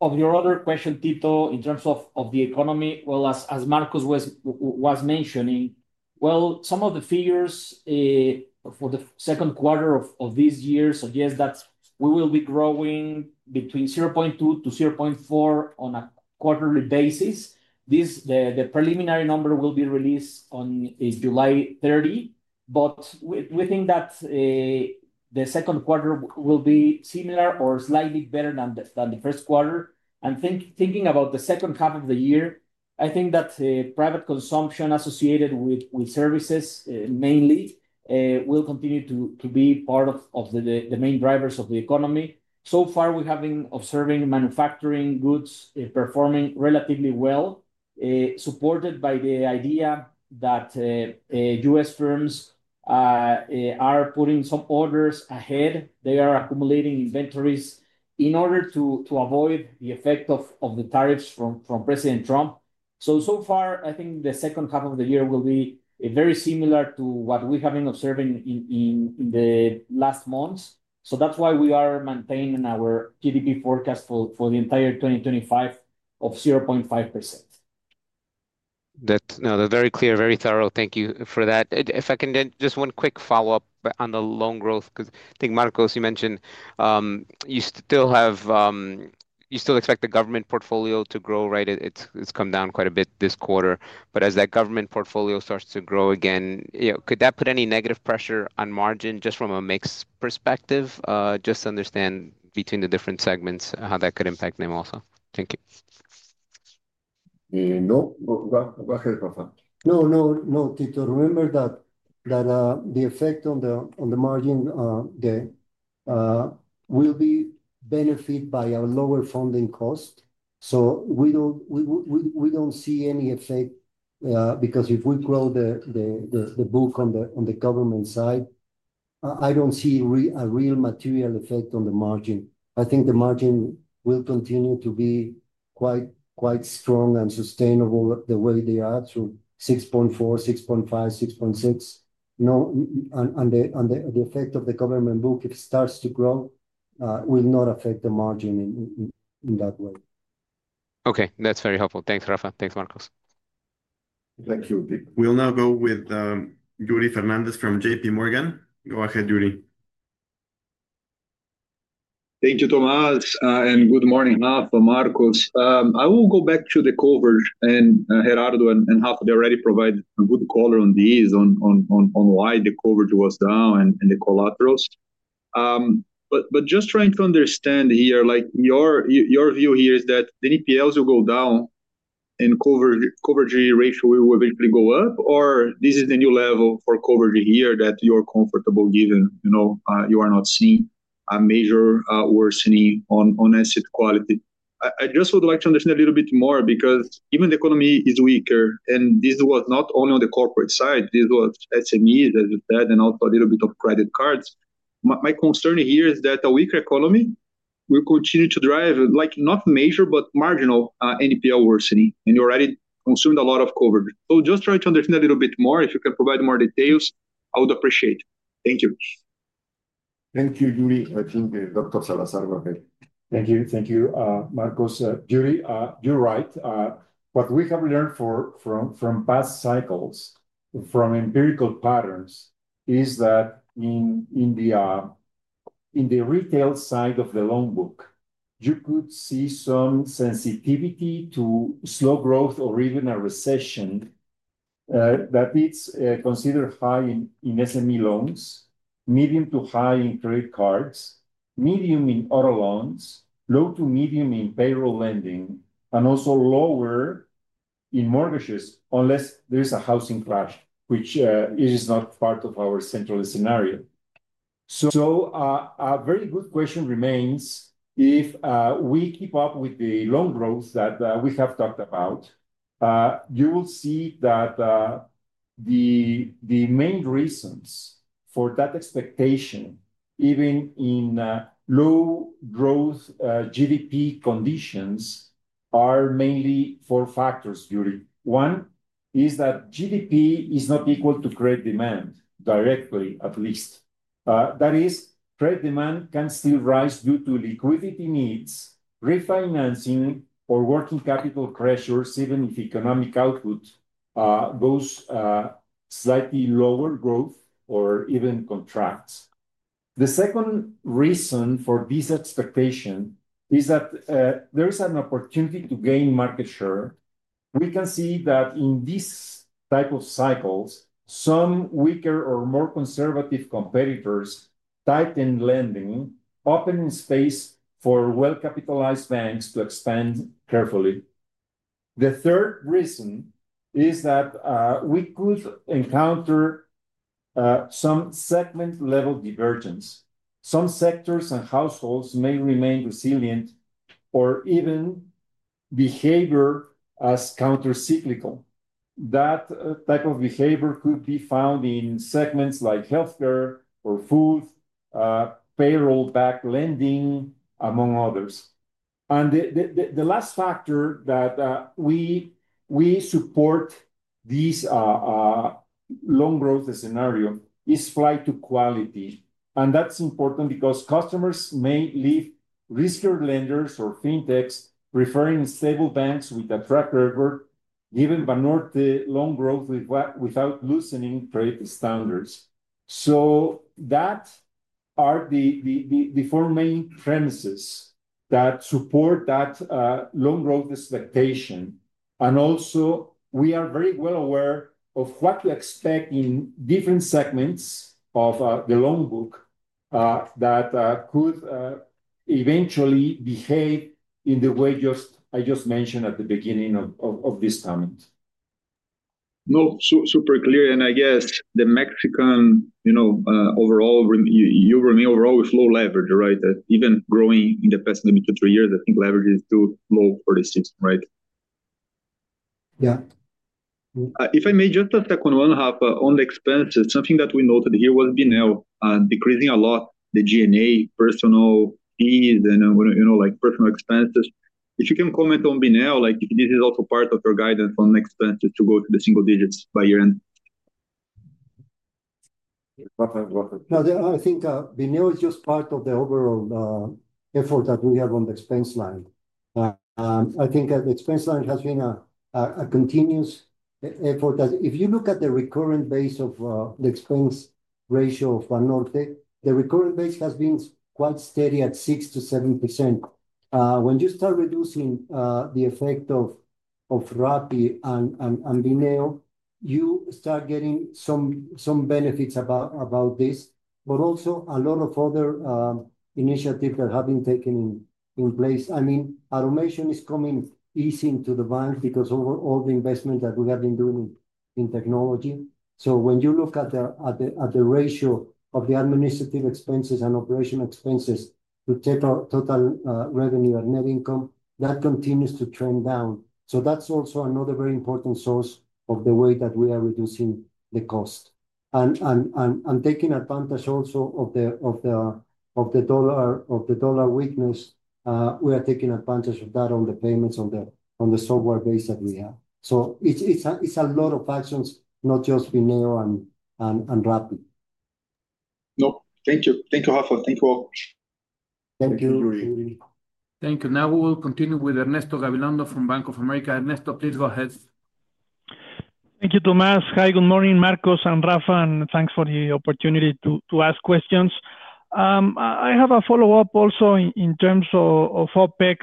of your other question, Tito, in terms of the economy, as Marcos was mentioning, some of the figures for the second quarter of this year, yes, we will be growing between 0.2%-0.4% on a quarterly basis. The preliminary number will be released on July 30, but we think that the second quarter will be similar or slightly better than the first quarter. Thinking about the second half of the year, I think that private consumption associated with services mainly will continue to be part of the main drivers of the economy. So far, we have been observing manufacturing goods performing relatively well, supported by the idea that U.S. firms are putting some orders ahead. They are accumulating inventories in order to avoid the effect of the tariffs from President Trump. So far, I think the second half of the year will be very similar to what we have been observing in the last months. That is why we are maintaining our GDP forecast for the entire 2025 of 0.5%. That is very clear, very thorough. Thank you for that. If I can just one quick follow-up on the loan growth, because I think Marcos, you mentioned you still expect the government portfolio to grow, right? It's come down quite a bit this quarter. As that government portfolio starts to grow again, could that put any negative pressure on margin just from a mix perspective? Just to understand between the different segments how that could impact them also. Thank you. No, go ahead, Rafa. No, no, no, Tito. Remember that the effect on the margin will be benefit by a lower funding cost. We don't see any effect because if we grow the book on the government side, I don't see a real material effect on the margin. I think the margin will continue to be quite strong and sustainable the way they are through 6.4%, 6.5%, 6.6%. The effect of the government book, if it starts to grow, will not affect the margin in that way. Okay, that's very helpful. Thanks, Rafa. Thanks, Marcos. Thank you. We'll now go with Yuri Fernandes from JPMorgan. Go ahead, Yuri. Thank you, Tomás, and good morning, Rafa, Marcos. I will go back to the coverage and Gerardo and already provided a good color on this on why the coverage was down and the collaterals. Just trying to understand here, your view here is that the NPLs will go down and coverage ratio will eventually go up, or this is the new level for coverage here that you're comfortable given you are not seeing a major worsening on asset quality. I just would like to understand a little bit more because even the economy is weaker, and this was not only on the corporate side, this was SMEs, as you said, and also a little bit of credit cards. My concern here is that a weaker economy will continue to drive, not major, but marginal NPL worsening, and you already consumed a lot of coverage. Just trying to understand a little bit more. If you can provide more details, I would appreciate it. Thank you. Thank you, Yuri. I think Dr. Salazar will. Thank you. Thank you, Marcos. Yuri, you're right. What we have learned from past cycles, from empirical patterns, is that in the retail side of the loan book, you could see some sensitivity to slow growth or even a recession. That is considered high in SME loans, medium to high in credit cards, medium in auto loans, low to medium in payroll lending, and also lower in mortgages unless there's a housing crash, which is not part of our central scenario. A very good question remains. If we keep up with the loan growth that we have talked about. You will see that the main reasons for that expectation, even in low growth GDP conditions, are mainly four factors, Yuri. One is that GDP is not equal to credit demand directly, at least. That is, credit demand can still rise due to liquidity needs, refinancing, or working capital pressures, even if economic output goes slightly lower growth or even contracts. The second reason for this expectation is that there is an opportunity to gain market share. We can see that in these type of cycles, some weaker or more conservative competitors tighten lending, opening space for well-capitalized banks to expand carefully. The third reason is that we could encounter some segment-level divergence. Some sectors and households may remain resilient or even behavior as counter-cyclical. That type of behavior could be found in segments like healthcare or food, payroll-backed lending, among others. The last factor that supports this loan growth scenario is flight to quality. That is important because customers may leave riskier lenders or fintechs, preferring stable banks with a track record, given Banorte loan growth without loosening credit standards. Those are the four main premises that support that loan growth expectation. Also, we are very well aware of what to expect in different segments of the loan book that could eventually behave in the way I just mentioned at the beginning of this comment. No, super clear. I guess the Mexican, you know, overall, you were overall with low leverage, right? Even growing in the past maybe two or three years, I think leverage is too low for this system, right? Yeah. If I may just touch on one half on the expenses, something that we noted here was Bineo, decreasing a lot the G&A, personal fees, and I'm going to, you know, like personal expenses. If you can comment on Bineo, like if this is also part of your guidance on expenses to go to the single-digits by year-end. Rafa, Rafa. No, I think Bineo is just part of the overall effort that we have on the expense line. I think the expense line has been a continuous effort that if you look at the recurrent base of the expense ratio of Banorte, the recurrent base has been quite steady at 6%-7%. When you start reducing the effect of Rappi and Bineo, you start getting some benefits about this, but also a lot of other initiatives that have been taken in place. I mean, automation is coming, easing to the bank because of all the investment that we have been doing in technology. When you look at the ratio of the administrative expenses and operational expenses to total revenue and net income, that continues to trend down. That is also another very important source of the way that we are reducing the cost. And taking advantage also of the dollar weakness, we are taking advantage of that on the payments on the software base that we have. It is a lot of actions, not just Bineo and Rappi. No, thank you. Thank you, Rafa. Thank you all. Thank you, Yuri. Thank you. Now we will continue with Ernesto Gabilondo from Bank of America. Ernesto, please go ahead. Thank you, Tomás. Hi, good morning, Marcos and Rafa, and thanks for the opportunity to ask questions. I have a follow-up also in terms of OpEx.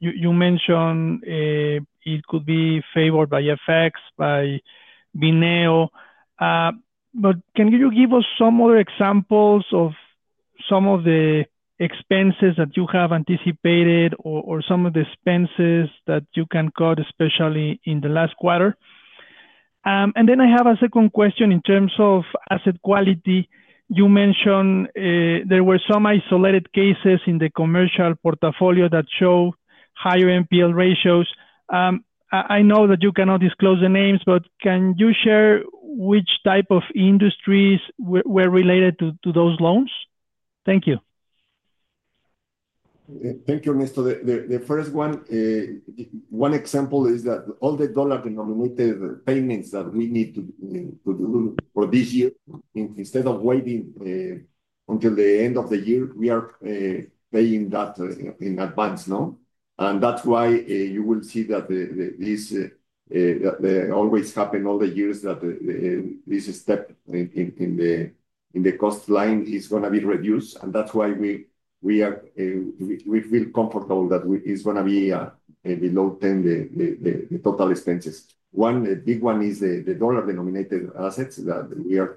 You mentioned it could be favored by FX, by Bineo. But can you give us some other examples of some of the expenses that you have anticipated or some of the expenses that you can cut, especially in the last quarter? I have a second question in terms of asset quality. You mentioned there were some isolated cases in the commercial portfolio that showed higher NPL ratios. I know that you cannot disclose the names, but can you share which type of industries were related to those loans? Thank you. Thank you, Ernesto. The first one, one example is that all the dollar-denominated payments that we need to do for this year, instead of waiting until the end of the year, we are paying that in advance, no? That is why you will see that this always happens all the years, that this step in the cost line is going to be reduced. That is why we feel comfortable that it is going to be below 10, the total expenses. One big one is the dollar-denominated assets that we are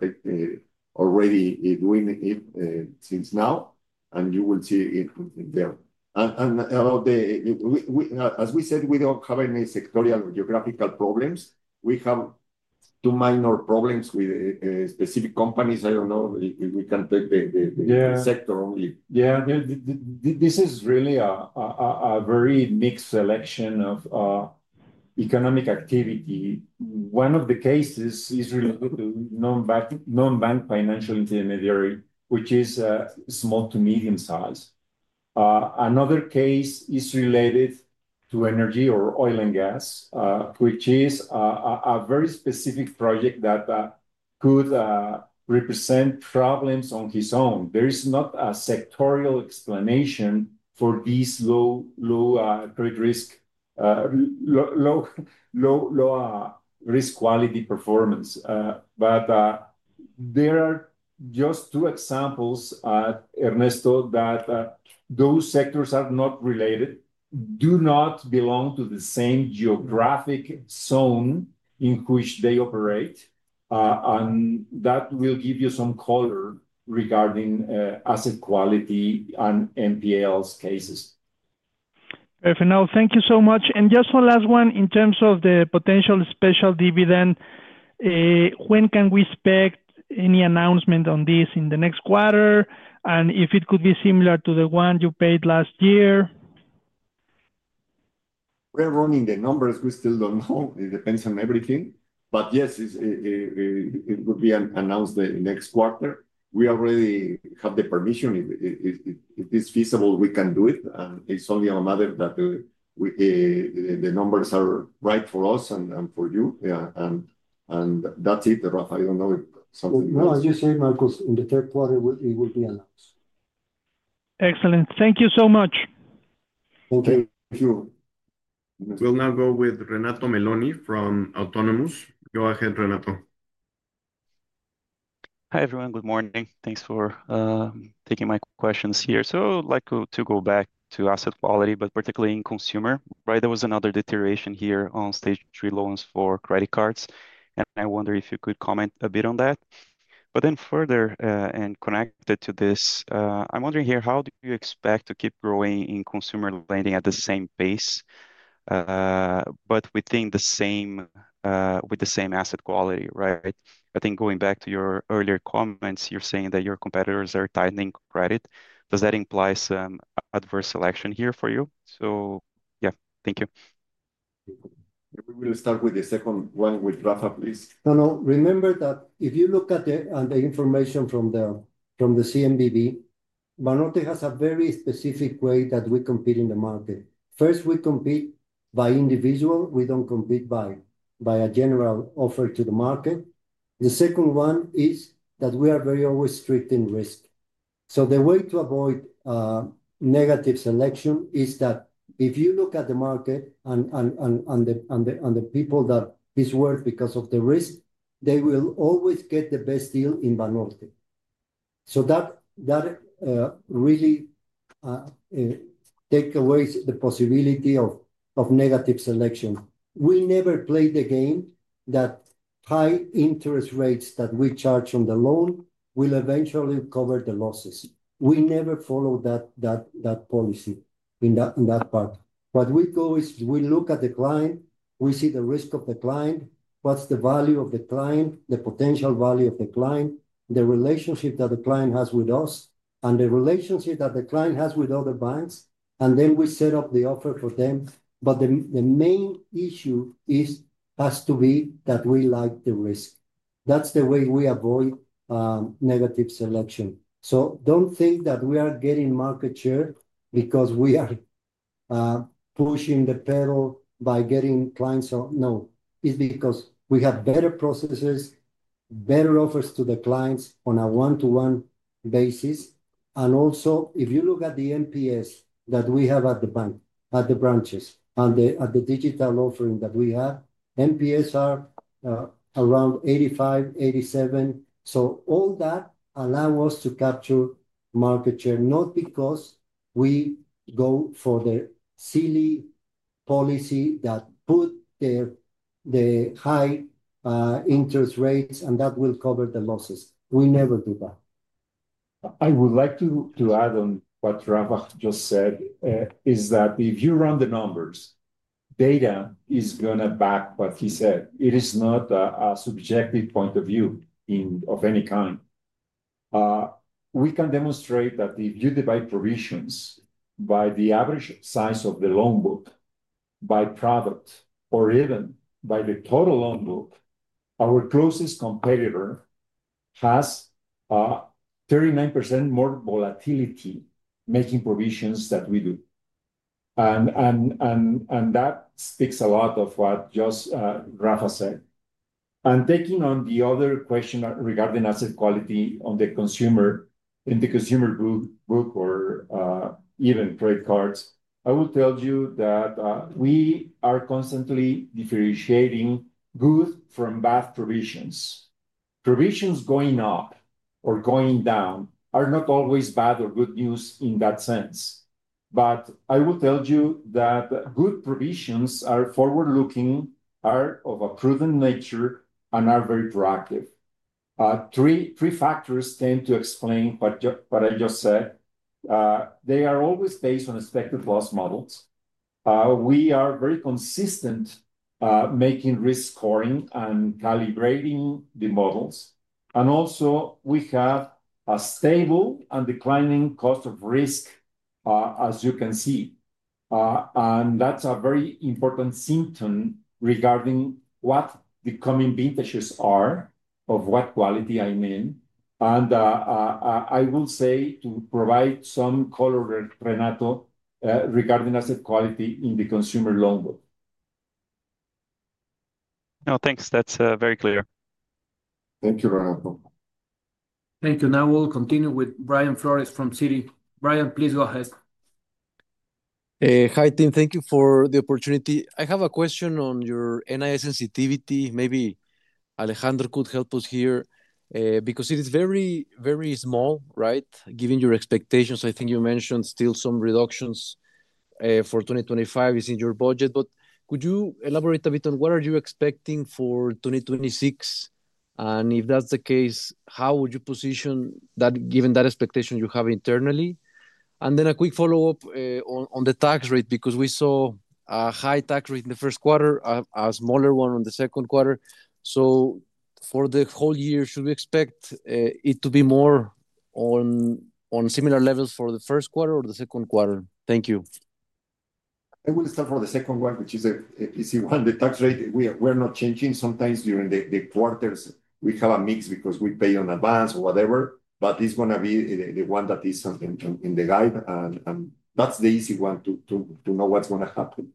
already doing since now, and you will see it there. About the, as we said, we do not have any sectorial or geographical problems. We have two minor problems with specific companies. I do not know if we can take the sector only. Yeah, this is really a very mixed selection of economic activity. One of the cases is related to non-bank financial intermediary, which is a small to medium size. Another case is related to energy or oil and gas, which is a very specific project that could represent problems on its own. There is not a sectorial explanation for these low trade risk, low risk quality performance. There are just two examples, Ernesto, that those sectors are not related, do not belong to the same geographic zone in which they operate, and that will give you some color regarding asset quality and NPL cases. Perfect. Now, thank you so much. Just one last one. In terms of the potential special dividend. When can we expect any announcement on this in the next quarter? If it could be similar to the one you paid last year? We're running the numbers. We still don't know. It depends on everything. Yes, it would be announced the next quarter. We already have the permission. If it's feasible, we can do it. It's only a matter that the numbers are right for us and for you. That's it, Rafa. I don't know if something else. No, as you said, Marcos, in the third quarter, it will be announced. Excellent. Thank you so much. Okay. Thank you. We'll now go with Renato Meloni from Autonomous. Go ahead, Renato. Hi, everyone. Good morning. Thanks for taking my questions here. I would like to go back to asset quality, but particularly in consumer, right? There was another deterioration here on stage three loans for credit cards. I wonder if you could comment a bit on that. Further and connected to this, I'm wondering here, how do you expect to keep growing in consumer lending at the same pace with the same asset quality, right? I think going back to your earlier comments, you're saying that your competitors are tightening credit. Does that imply some adverse selection here for you? Thank you. We will start with the second one with Rafa, please. No, no. Remember that if you look at the information from the CNBV, Banorte has a very specific way that we compete in the market. First, we compete by individual. We don't compete by a general offer to the market. The second one is that we are always very strict in risk. The way to avoid negative selection is that if you look at the market and the people that are worth because of the risk, they will always get the best deal in Banorte. That really takes away the possibility of negative selection. We never play the game that high interest rates that we charge on the loan will eventually cover the losses. We never follow that policy in that part. What we do is we look at the client, we see the risk of the client, what's the value of the client, the potential value of the client, the relationship that the client has with us, and the relationship that the client has with other banks. Then we set up the offer for them. The main issue has to be that we like the risk. That's the way we avoid negative selection. Don't think that we are getting market share because we are pushing the pedal by getting clients. No, it's because we have better processes, better offers to the clients on a one-to-one basis. Also, if you look at the NPS that we have at the bank, at the branches, and at the digital offering that we have, NPS are around 85, 87. All that allows us to capture market share, not because we go for the silly policy that puts the high interest rates and that will cover the losses. We never do that. I would like to add on what Rafa just said, if you run the numbers. Data is going to back what he said. It is not a subjective point of view of any kind. We can demonstrate that if you divide provisions by the average size of the loan book, by product, or even by the total loan book, our closest competitor has 39% more volatility making provisions than we do. That speaks a lot to what Rafa just said. Taking on the other question regarding asset quality on the consumer, in the consumer book or even credit cards, I will tell you that we are constantly differentiating good from bad provisions. Provisions going up or going down are not always bad or good news in that sense. I will tell you that good provisions are forward-looking, are of a prudent nature, and are very proactive. Three factors tend to explain what I just said. They are always based on expected loss models. We are very consistent making risk scoring and calibrating the models. Also, we have a stable and declining cost of risk, as you can see. That is a very important symptom regarding what the coming vintages are of what quality I mean. I will say to provide some color, Renato, regarding asset quality in the consumer loan book. No, thanks. That is very clear. Thank you, Renato. Thank you. Now we will continue with Brian Flores from Citi. Brian, please go ahead. Hi, team. Thank you for the opportunity. I have a question on your NII sensitivity. Maybe Alejandro could help us here because it is very, very small, right? Given your expectations, I think you mentioned still some reductions for 2025 is in your budget. Could you elaborate a bit on what you are expecting for 2026? If that is the case, how would you position that given that expectation you have internally? Then a quick follow-up on the tax rate because we saw a high tax rate in the first quarter, a smaller one in the second quarter. For the whole year, should we expect it to be more on similar levels for the first quarter or the second quarter? Thank you. I will start with the second one, which is the easy one. The tax rate, we are not changing. Sometimes during the quarters, we have a mix because we pay in advance or whatever. It is going to be the one that is in the guide. That's the easy one to know what's going to happen.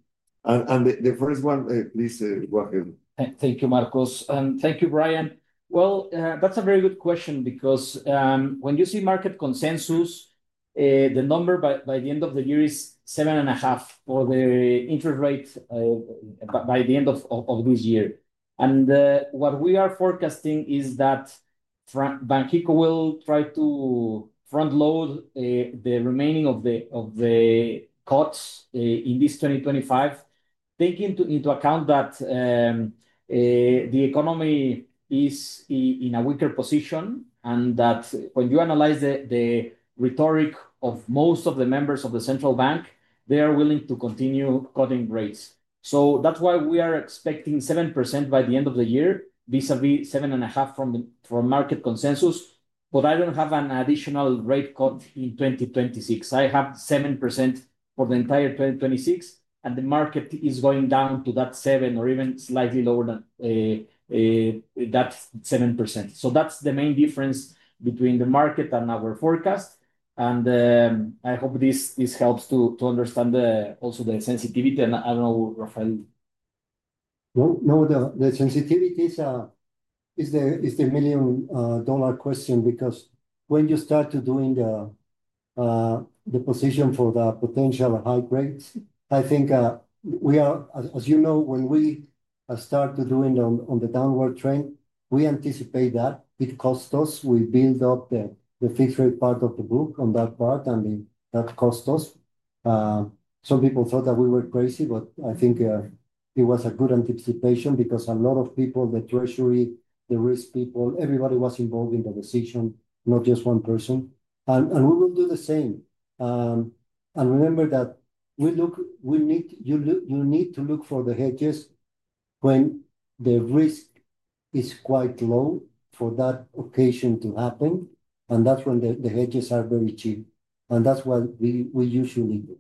The first one, please go ahead. Thank you, Marcos. Thank you, Brian. That's a very good question because when you see market consensus, the number by the end of the year is 7.5% for the interest rate by the end of this year. What we are forecasting is that Banxico will try to front-load the remaining of the cuts in this 2025, taking into account that the economy is in a weaker position and that when you analyze the rhetoric of most of the members of the central bank, they are willing to continue cutting rates. That's why we are expecting 7% by the end of the year vis-à-vis 7.5% from market consensus. I don't have an additional rate cut in 2026. I have 7% for the entire 2026, and the market is going down to that 7% or even slightly lower than that 7%. That's the main difference between the market and our forecast. I hope this helps to understand also the sensitivity. I don't know, Rafael. No, the sensitivity is the million dollar question because when you start doing the position for the potential high grades, I think we are, as you know, when we start to do it on the downward trend, we anticipate that it costs us. We build up the fixed rate part of the book on that part, and that costs us. Some people thought that we were crazy, but I think it was a good anticipation because a lot of people, the treasury, the risk people, everybody was involved in the decision, not just one person. We will do the same. Remember that you need to look for the hedges when the risk is quite low for that occasion to happen, and that's when the hedges are very cheap. That's what we usually do.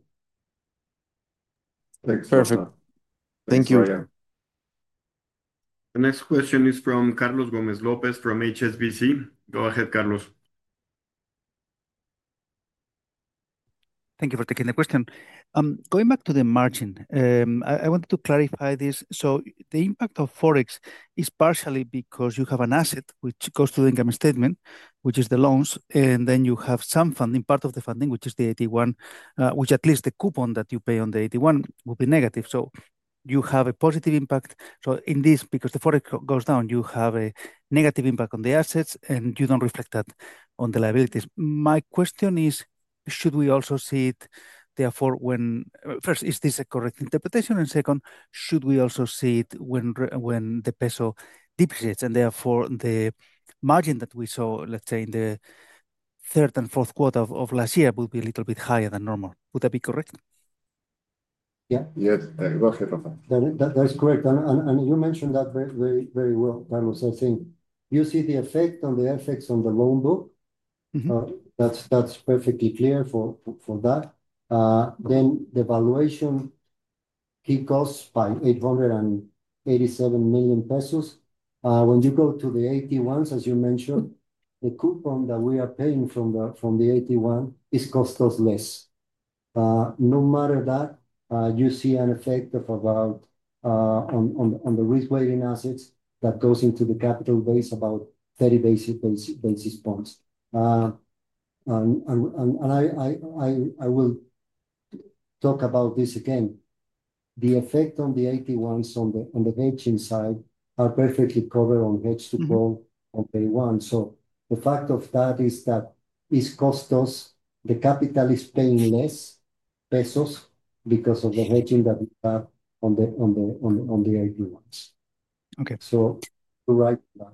Thanks. Perfect. Thank you. The next question is from Carlos Gomez-Lopez from HSBC. Go ahead, Carlos. Thank you for taking the question. Going back to the margin, I wanted to clarify this. The impact of Forex is partially because you have an asset which goes to the income statement, which is the loans, and then you have some funding, part of the funding, which is the AT1, which at least the coupon that you pay on the AT1 will be negative. You have a positive impact. In this, because the Forex goes down, you have a negative impact on the assets, and you don't reflect that on the liabilities. My question is, should we also see it therefore when first, is this a correct interpretation? Second, should we also see it when the peso depreciates? Therefore, the margin that we saw, let's say, in the third and fourth quarter of last year would be a little bit higher than normal. Would that be correct? Yeah. Go ahead, Rafa. That's correct. You mentioned that very well, Carlos. I think you see the effect on the effects on the loan book. That's perfectly clear for that. Then the valuation. It costs by 887 million pesos. When you go to the AT1s, as you mentioned, the coupon that we are paying from the AT1s costs us less. No matter that, you see an effect of about on the risk-weighted assets that goes into the capital base about 30 basis points. I will talk about this again. The effect on the AT1s on the hedging side are perfectly covered on hedge to call on day one. The fact of that is that it costs us, the capital is paying less pesos because of the hedging that we have on the AT1s. Okay. To write that.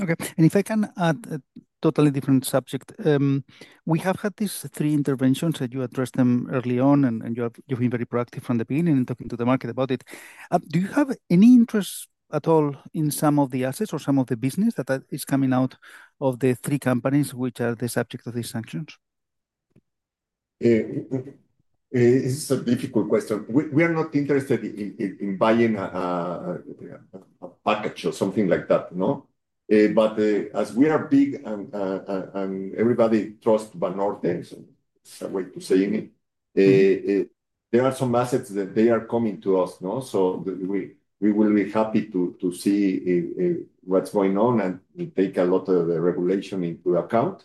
Okay. If I can add a totally different subject, we have had these three interventions that you addressed early on, and you have been very proactive from the beginning and talking to the market about it. Do you have any interest at all in some of the assets or some of the business that is coming out of the three companies which are the subject of these sanctions? This is a difficult question. We are not interested in buying a package or something like that, no? As we are big and everybody trusts Banorte, it's a way to say it. There are some assets that are coming to us, no? We will be happy to see what's going on and take a lot of the regulation into account.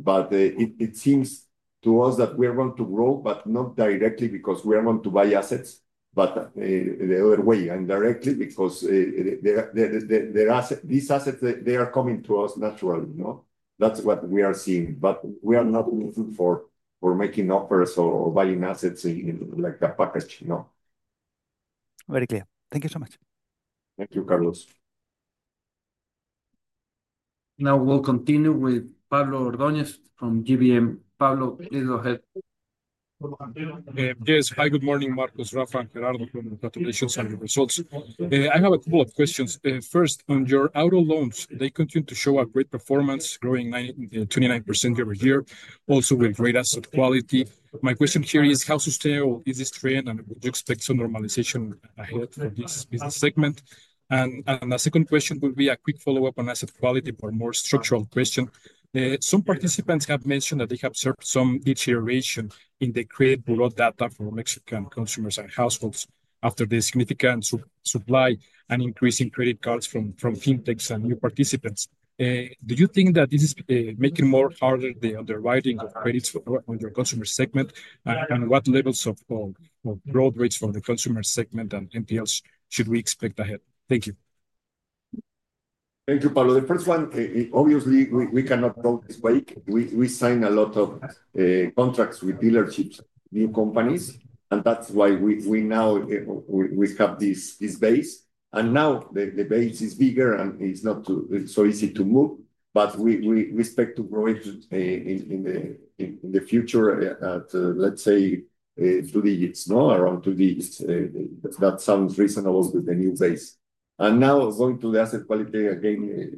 It seems to us that we are going to grow, but not directly because we are going to buy assets, but the other way, indirectly, because these assets are coming to us naturally, no? That's what we are seeing. We are not looking for making offers or buying assets in a package, no? Very clear. Thank you so much. Thank you, Carlos. Now we'll continue with Pablo Ordóñez from GBM. Pablo, please go ahead. Yes, hi, good morning, Marcos, Rafa, Gerardo, congratulations on your results. I have a couple of questions. First, on your auto loans, they continue to show a great performance, growing 29% year-over-year, also with great asset quality. My question here is, how sustainable is this trend, and would you expect some normalization ahead for this business segment? The second question will be a quick follow-up on asset quality for a more structural question. Some participants have mentioned that they have observed some deterioration in the credit bureau data for Mexican consumers and households after the significant supply and increase in credit cards from fintechs and new participants. Do you think that this is making it harder, the underwriting of credits on your consumer segment, and what levels of broad rates for the consumer segment and NPLs should we expect ahead? Thank you. Thank you, Pablo. The first one, obviously, we cannot go this way. We sign a lot of contracts with dealerships, new companies, and that is why we now have this base. Now the base is bigger and it is not so easy to move, but we expect to grow it in the future at, let's say, two digits, no? Around two digits. That sounds reasonable with the new base. Now going to the asset quality again.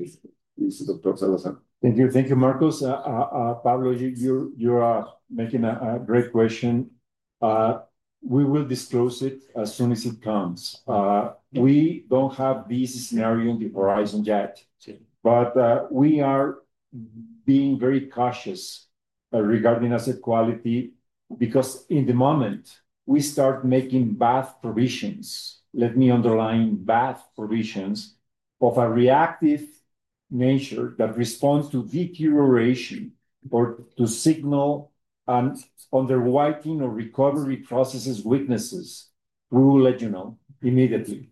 This is Dr. Salazar. Thank you. Thank you, Marcos. Pablo, you are making a great question. We will disclose it as soon as it comes. We do not have this scenario in the horizon yet, but we are being very cautious regarding asset quality because in the moment we start making bad provisions, let me underline bad provisions of a reactive nature that responds to deterioration or to signal an underwriting or recovery processes weaknesses will let you know immediately.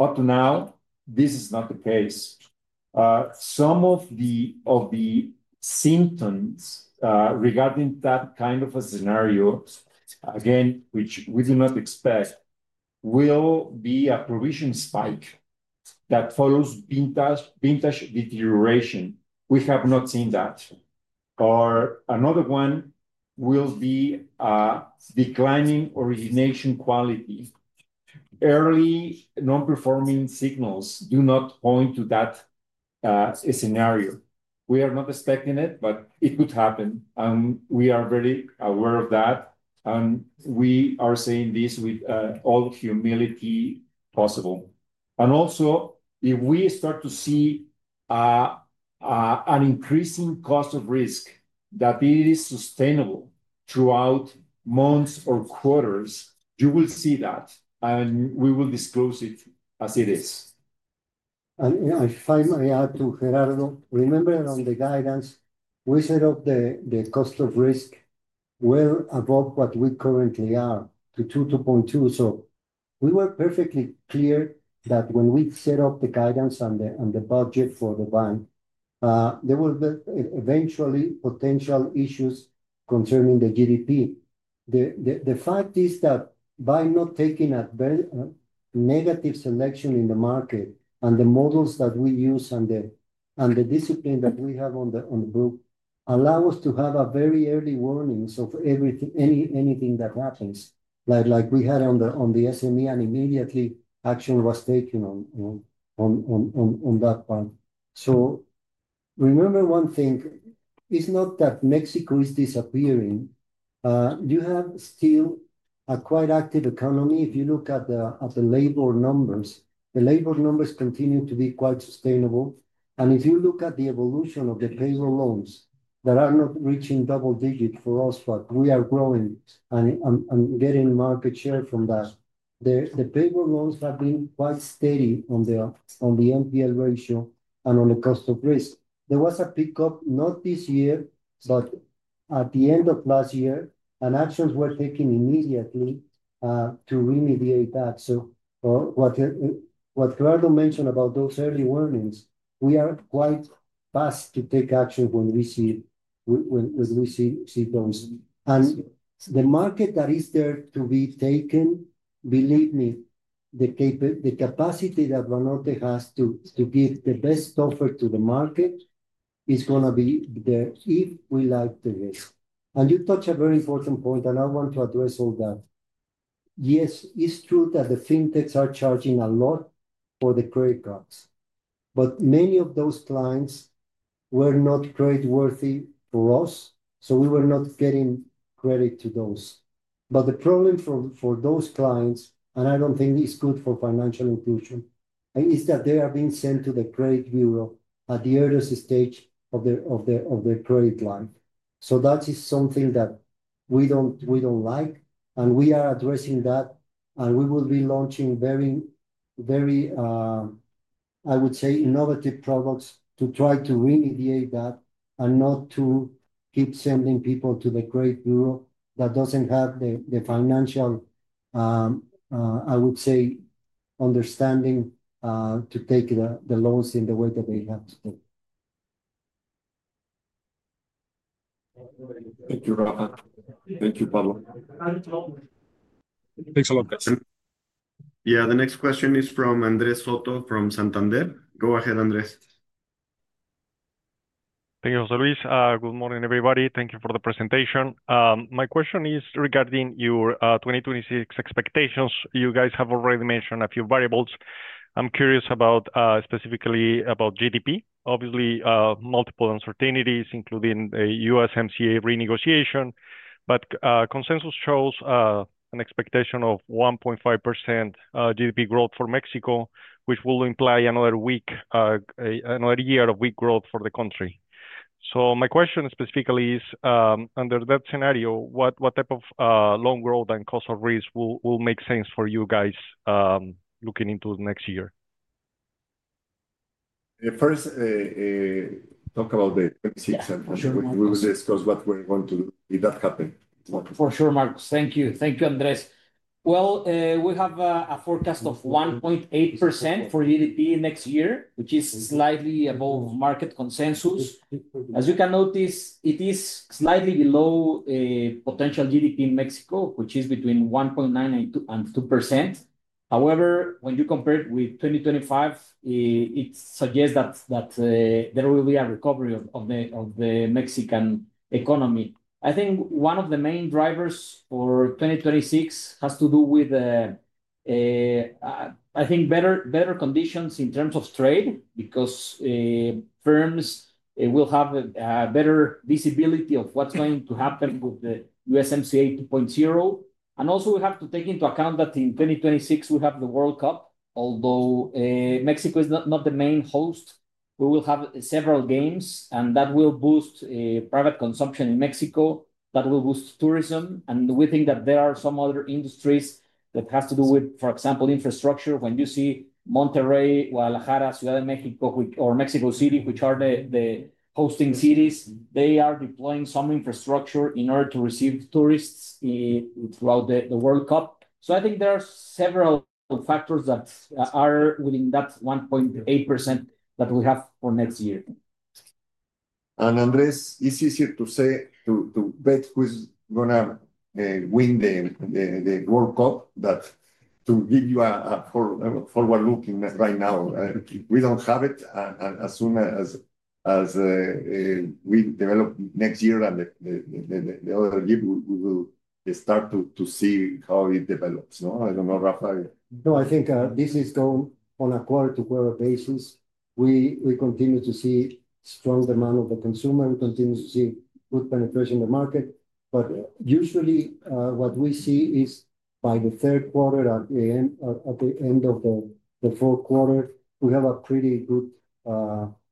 Now this is not the case. Some of the symptoms regarding that kind of a scenario, again, which we do not expect, will be a provision spike that follows vintage deterioration. We have not seen that. Or another one will be a declining origination quality. Early non-performing signals do not point to that scenario. We are not expecting it, but it could happen, and we are very aware of that, and we are saying this with all humility possible. Also, if we start to see an increasing cost of risk that is sustainable throughout months or quarters, you will see that, and we will disclose it as it is. I finally add to Gerardo, remember on the guidance, we set up the cost of risk well above what we currently are to 2.2%. We were perfectly clear that when we set up the guidance and the budget for the bank, there were eventually potential issues concerning the GDP. The fact is that by not taking a very negative selection in the market and the models that we use and the discipline that we have on the book allow us to have very early warnings of anything that happens, like we had on the SME and immediately action was taken on that part. Remember one thing, it is not that Mexico is disappearing. You have still a quite active economy. If you look at the labor numbers, the labor numbers continue to be quite sustainable. If you look at the evolution of the payroll loans that are not reaching double-digit for us, we are growing and getting market share from that. The payroll loans have been quite steady on the NPL ratio and on the cost of risk. There was a pickup not this year, but at the end of last year, and actions were taken immediately to remediate that. What Gerardo mentioned about those early warnings, we are quite fast to take action when we see it, when we see those. The market that is there to be taken, believe me, the capacity that Banorte has to give the best offer to the market is going to be there if we like the risk. You touch a very important point, and I want to address all that. Yes, it's true that the fintechs are charging a lot for the credit cards, but many of those clients were not creditworthy for us, so we were not giving credit to those. The problem for those clients, and I do not think it's good for financial inclusion, is that they are being sent to the credit bureau at the earliest stage of their credit line. That is something that we do not like, and we are addressing that, and we will be launching very, very, I would say, innovative products to try to remediate that and not to keep sending people to the credit bureau that do not have the financial, I would say, understanding to take the loans in the way that they have to take. Thank you, Rafa. Thank you, Pablo. Thanks a lot. The next question is from Andres Soto from Santander. Go ahead, Andres. Thank you, Luis. Good morning, everybody. Thank you for the presentation. My question is regarding your 2026 expectations. You guys have already mentioned a few variables. I'm curious specifically about GDP, obviously multiple uncertainties, including the USMCA renegotiation, but consensus shows an expectation of 1.5% GDP growth for Mexico, which will imply another year of weak growth for the country. My question specifically is, under that scenario, what type of loan growth and cost of risk will make sense for you guys looking into next year? First, talk about the 2026, and we will discuss what we're going to do if that happens. For sure, Marcos. Thank you. Thank you, Andrés. We have a forecast of 1.8% for GDP next year, which is slightly above market consensus. As you can notice, it is slightly below potential GDP in Mexico, which is between 1.9%-2%. However, when you compare it with 2025, it suggests that there will be a recovery of the Mexican economy. I think one of the main drivers for 2026 has to do with, I think, better conditions in terms of trade because firms will have a better visibility of what's going to happen with the USMCA 2.0. Also, we have to take into account that in 2026, we have the World Cup, although Mexico is not the main host. We will have several games, and that will boost private consumption in Mexico. That will boost tourism, and we think that there are some other industries that have to do with, for example, infrastructure. When you see Monterrey, Guadalajara, Ciudad de México, or Mexico City, which are the hosting cities, they are deploying some infrastructure in order to receive tourists throughout the World Cup. I think there are several factors that are within that 1.8% that we have for next year. Andres, is it easier to say to bet who's going to win the World Cup than to give you a forward-looking right now? We don't have it. As soon as we develop next year and the other year, we will start to see how it develops, no? I don't know, Rafa. No, I think this is going on a quarter-to-quarter basis. We continue to see strong demand of the consumer. We continue to see good penetration in the market. Usually, what we see is by the third quarter, at the end of the fourth quarter, we have a pretty good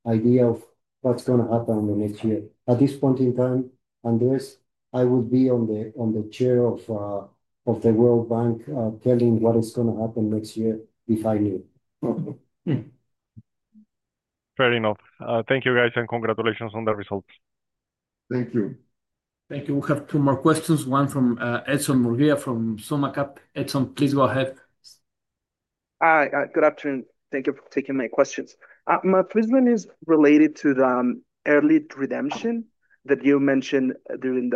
idea of what's going to happen in the next year. At this point in time, Andres, I would be on the chair of the World Bank telling what is going to happen next year if I knew. Fair enough. Thank you, guys, and congratulations on the results. Thank you. Thank you. We have two more questions. One from Edson Murguia from SummaCap. Edson, please go ahead. Hi, good afternoon. Thank you for taking my questions. My question is related to the early redemption that you mentioned during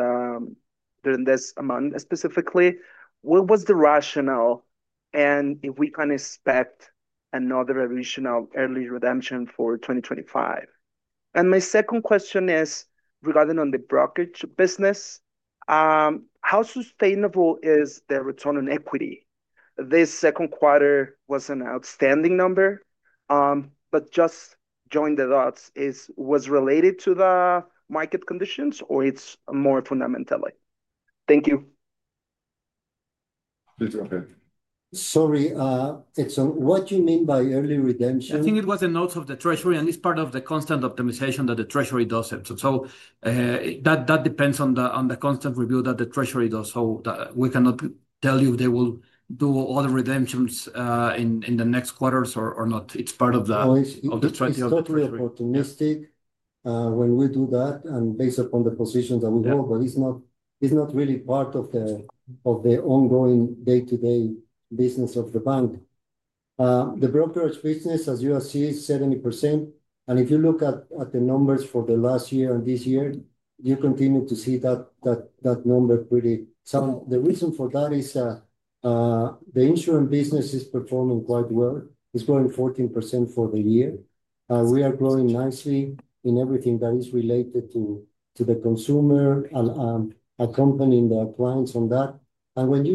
this month specifically. What was the rationale? If we can expect another revision of early redemption for 2025? My second question is regarding the brokerage business. How sustainable is the return on equity? This second quarter was an outstanding number, but just join the dots. Is it related to the market conditions or it's more fundamentally? Thank you. Please go ahead. Sorry, Edson, what do you mean by early redemption? I think it was a note of the Treasury, and it's part of the constant optimization that the Treasury does. That depends on the constant review that the Treasury does. We cannot tell you if they will do other redemptions in the next quarters or not. It's part of the Treasury. It's totally optimistic when we do that and based upon the positions that we hold, but it's not really part of the ongoing day-to-day business of the bank. The brokerage business, as you have seen, is 70%. If you look at the numbers for the last year and this year, you continue to see that number pretty sound. The reason for that is the insurance business is performing quite well. It's growing 14% for the year. We are growing nicely in everything that is related to the consumer and accompanying the clients on that. Thank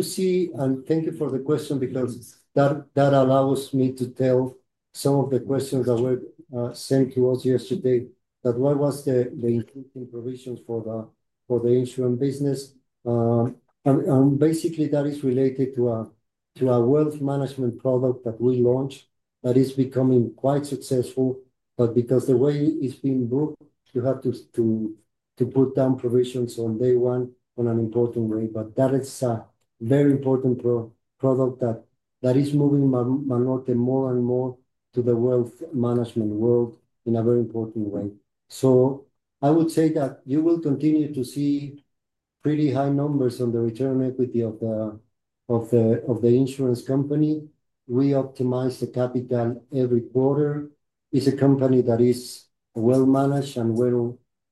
you for the question because that allows me to tell some of the questions that were sent to us yesterday, about what was the improvement provisions for the insurance business. Basically, that is related to a wealth management product that we launched that is becoming quite successful. Because of the way it's being broke, you have to put down provisions on day one in an important way. That is a very important product that is moving Banorte more and more to the wealth management world in a very important way. I would say that you will continue to see pretty high numbers on the return on equity of the insurance company. We optimize the capital every quarter. It's a company that is well-managed and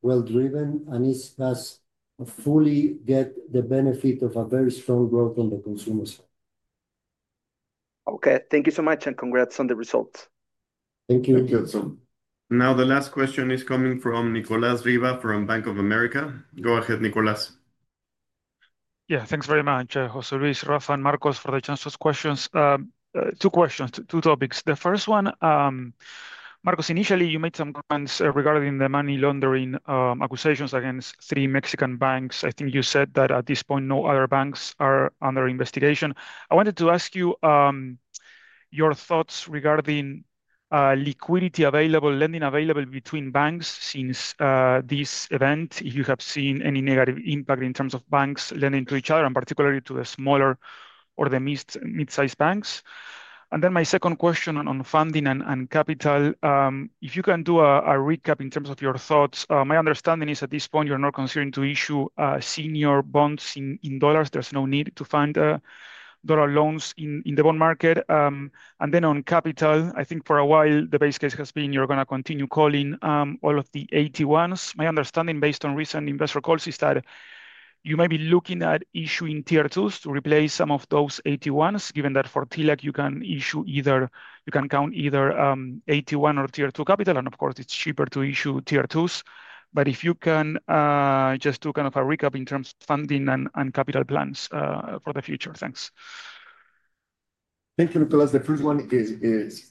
well-driven and has fully got the benefit of a very strong growth on the consumer side. Okay, thank you so much and congrats on the results. Thank you. Thank you, Edson. Now, the last question is coming from Nicolas Riva from Bank of America. Go ahead, Nicolas. Yeah, thanks very much, José Luis, Rafa, and Marcos for the chance to ask questions. Two questions, two topics. The first one, Marcos, initially, you made some comments regarding the money laundering accusations against three Mexican banks. I think you said that at this point, no other banks are under investigation. I wanted to ask you your thoughts regarding liquidity available, lending available between banks since this event. If you have seen any negative impact in terms of banks lending to each other, and particularly to the smaller or the mid-sized banks. My second question on funding and capital. If you can do a recap in terms of your thoughts, my understanding is at this point, you're not considering to issue senior bonds in dollars. There's no need to find dollar loans in the bond market. On capital, I think for a while, the base case has been you're going to continue calling all of the AT1s. My understanding based on recent investor calls is that you may be looking at issuing Tier 2s to replace some of those AT1s, given that for TLAC, you can issue either, you can count either AT1 or Tier 2 capital. And of course, it is cheaper to issue Tier 2s. If you can just do kind of a recap in terms of funding and capital plans for the future, thanks. Thank you, Nicolas. The first one is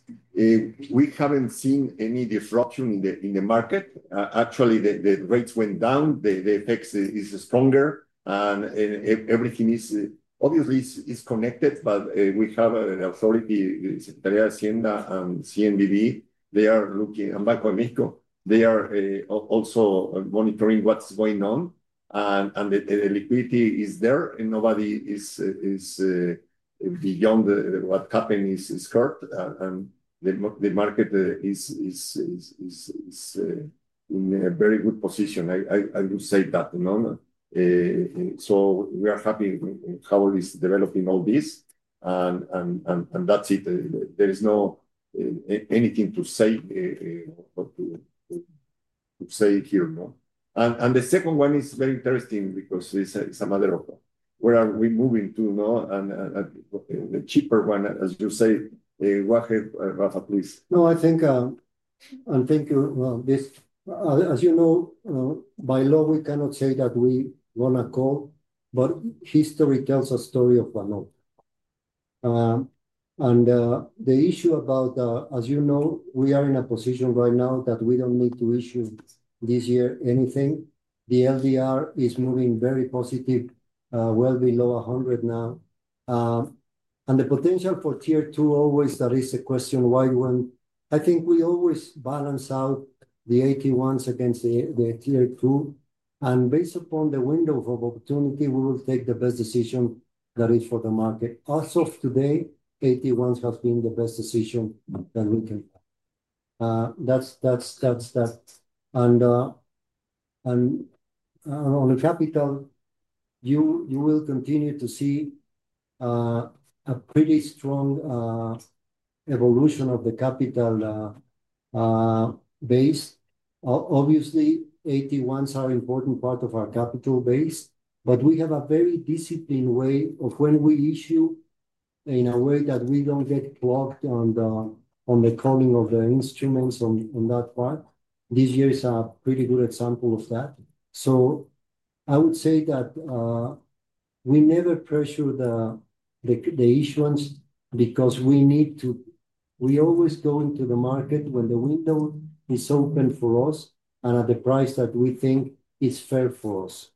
we have not seen any disruption in the market. Actually, the rates went down. The FX is stronger. Everything is obviously connected, but we have an authority, the Secretaría de Hacienda and CNBV. They are looking at Banco de México. They are also monitoring what is going on. The liquidity is there and nobody is, beyond what happened, is hurt. The market is in a very good position. I would say that, you know. We are happy how it is developing, all this. That is it. There is not anything to say or to say here, you know. The second one is very interesting because it is a matter of where are we moving to, you know. The cheaper one, as you say, go ahead, Rafa, please. No, I think, and thank you. As you know, by law, we cannot say that we want to call, but history tells a story of Banorte. The issue about, as you know, we are in a position right now that we do not need to issue this year anything. The LDR is moving very positive, well below 100 now. The potential for Tier 2 always, that is the question why you want. I think we always balance out the AT1s against the Tier 2. Based upon the window of opportunity, we will take the best decision that is for the market. As of today, AT1s have been the best decision that we can have. That is that. On the capital, you will continue to see a pretty strong evolution of the capital base. Obviously, AT1s are an important part of our capital base, but we have a very disciplined way of when we issue, in a way that we do not get clogged on the calling of the instruments on that part. This year is a pretty good example of that. I would say that we never pressure the issuance because we need to. We always go into the market when the window is open for us and at the price that we think is fair for us.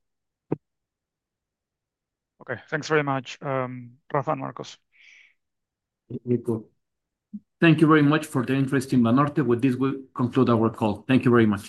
Okay, thanks very much, Rafa and Marcos. Thank you very much for the interest in Banorte. With this, we conclude our call. Thank you very much.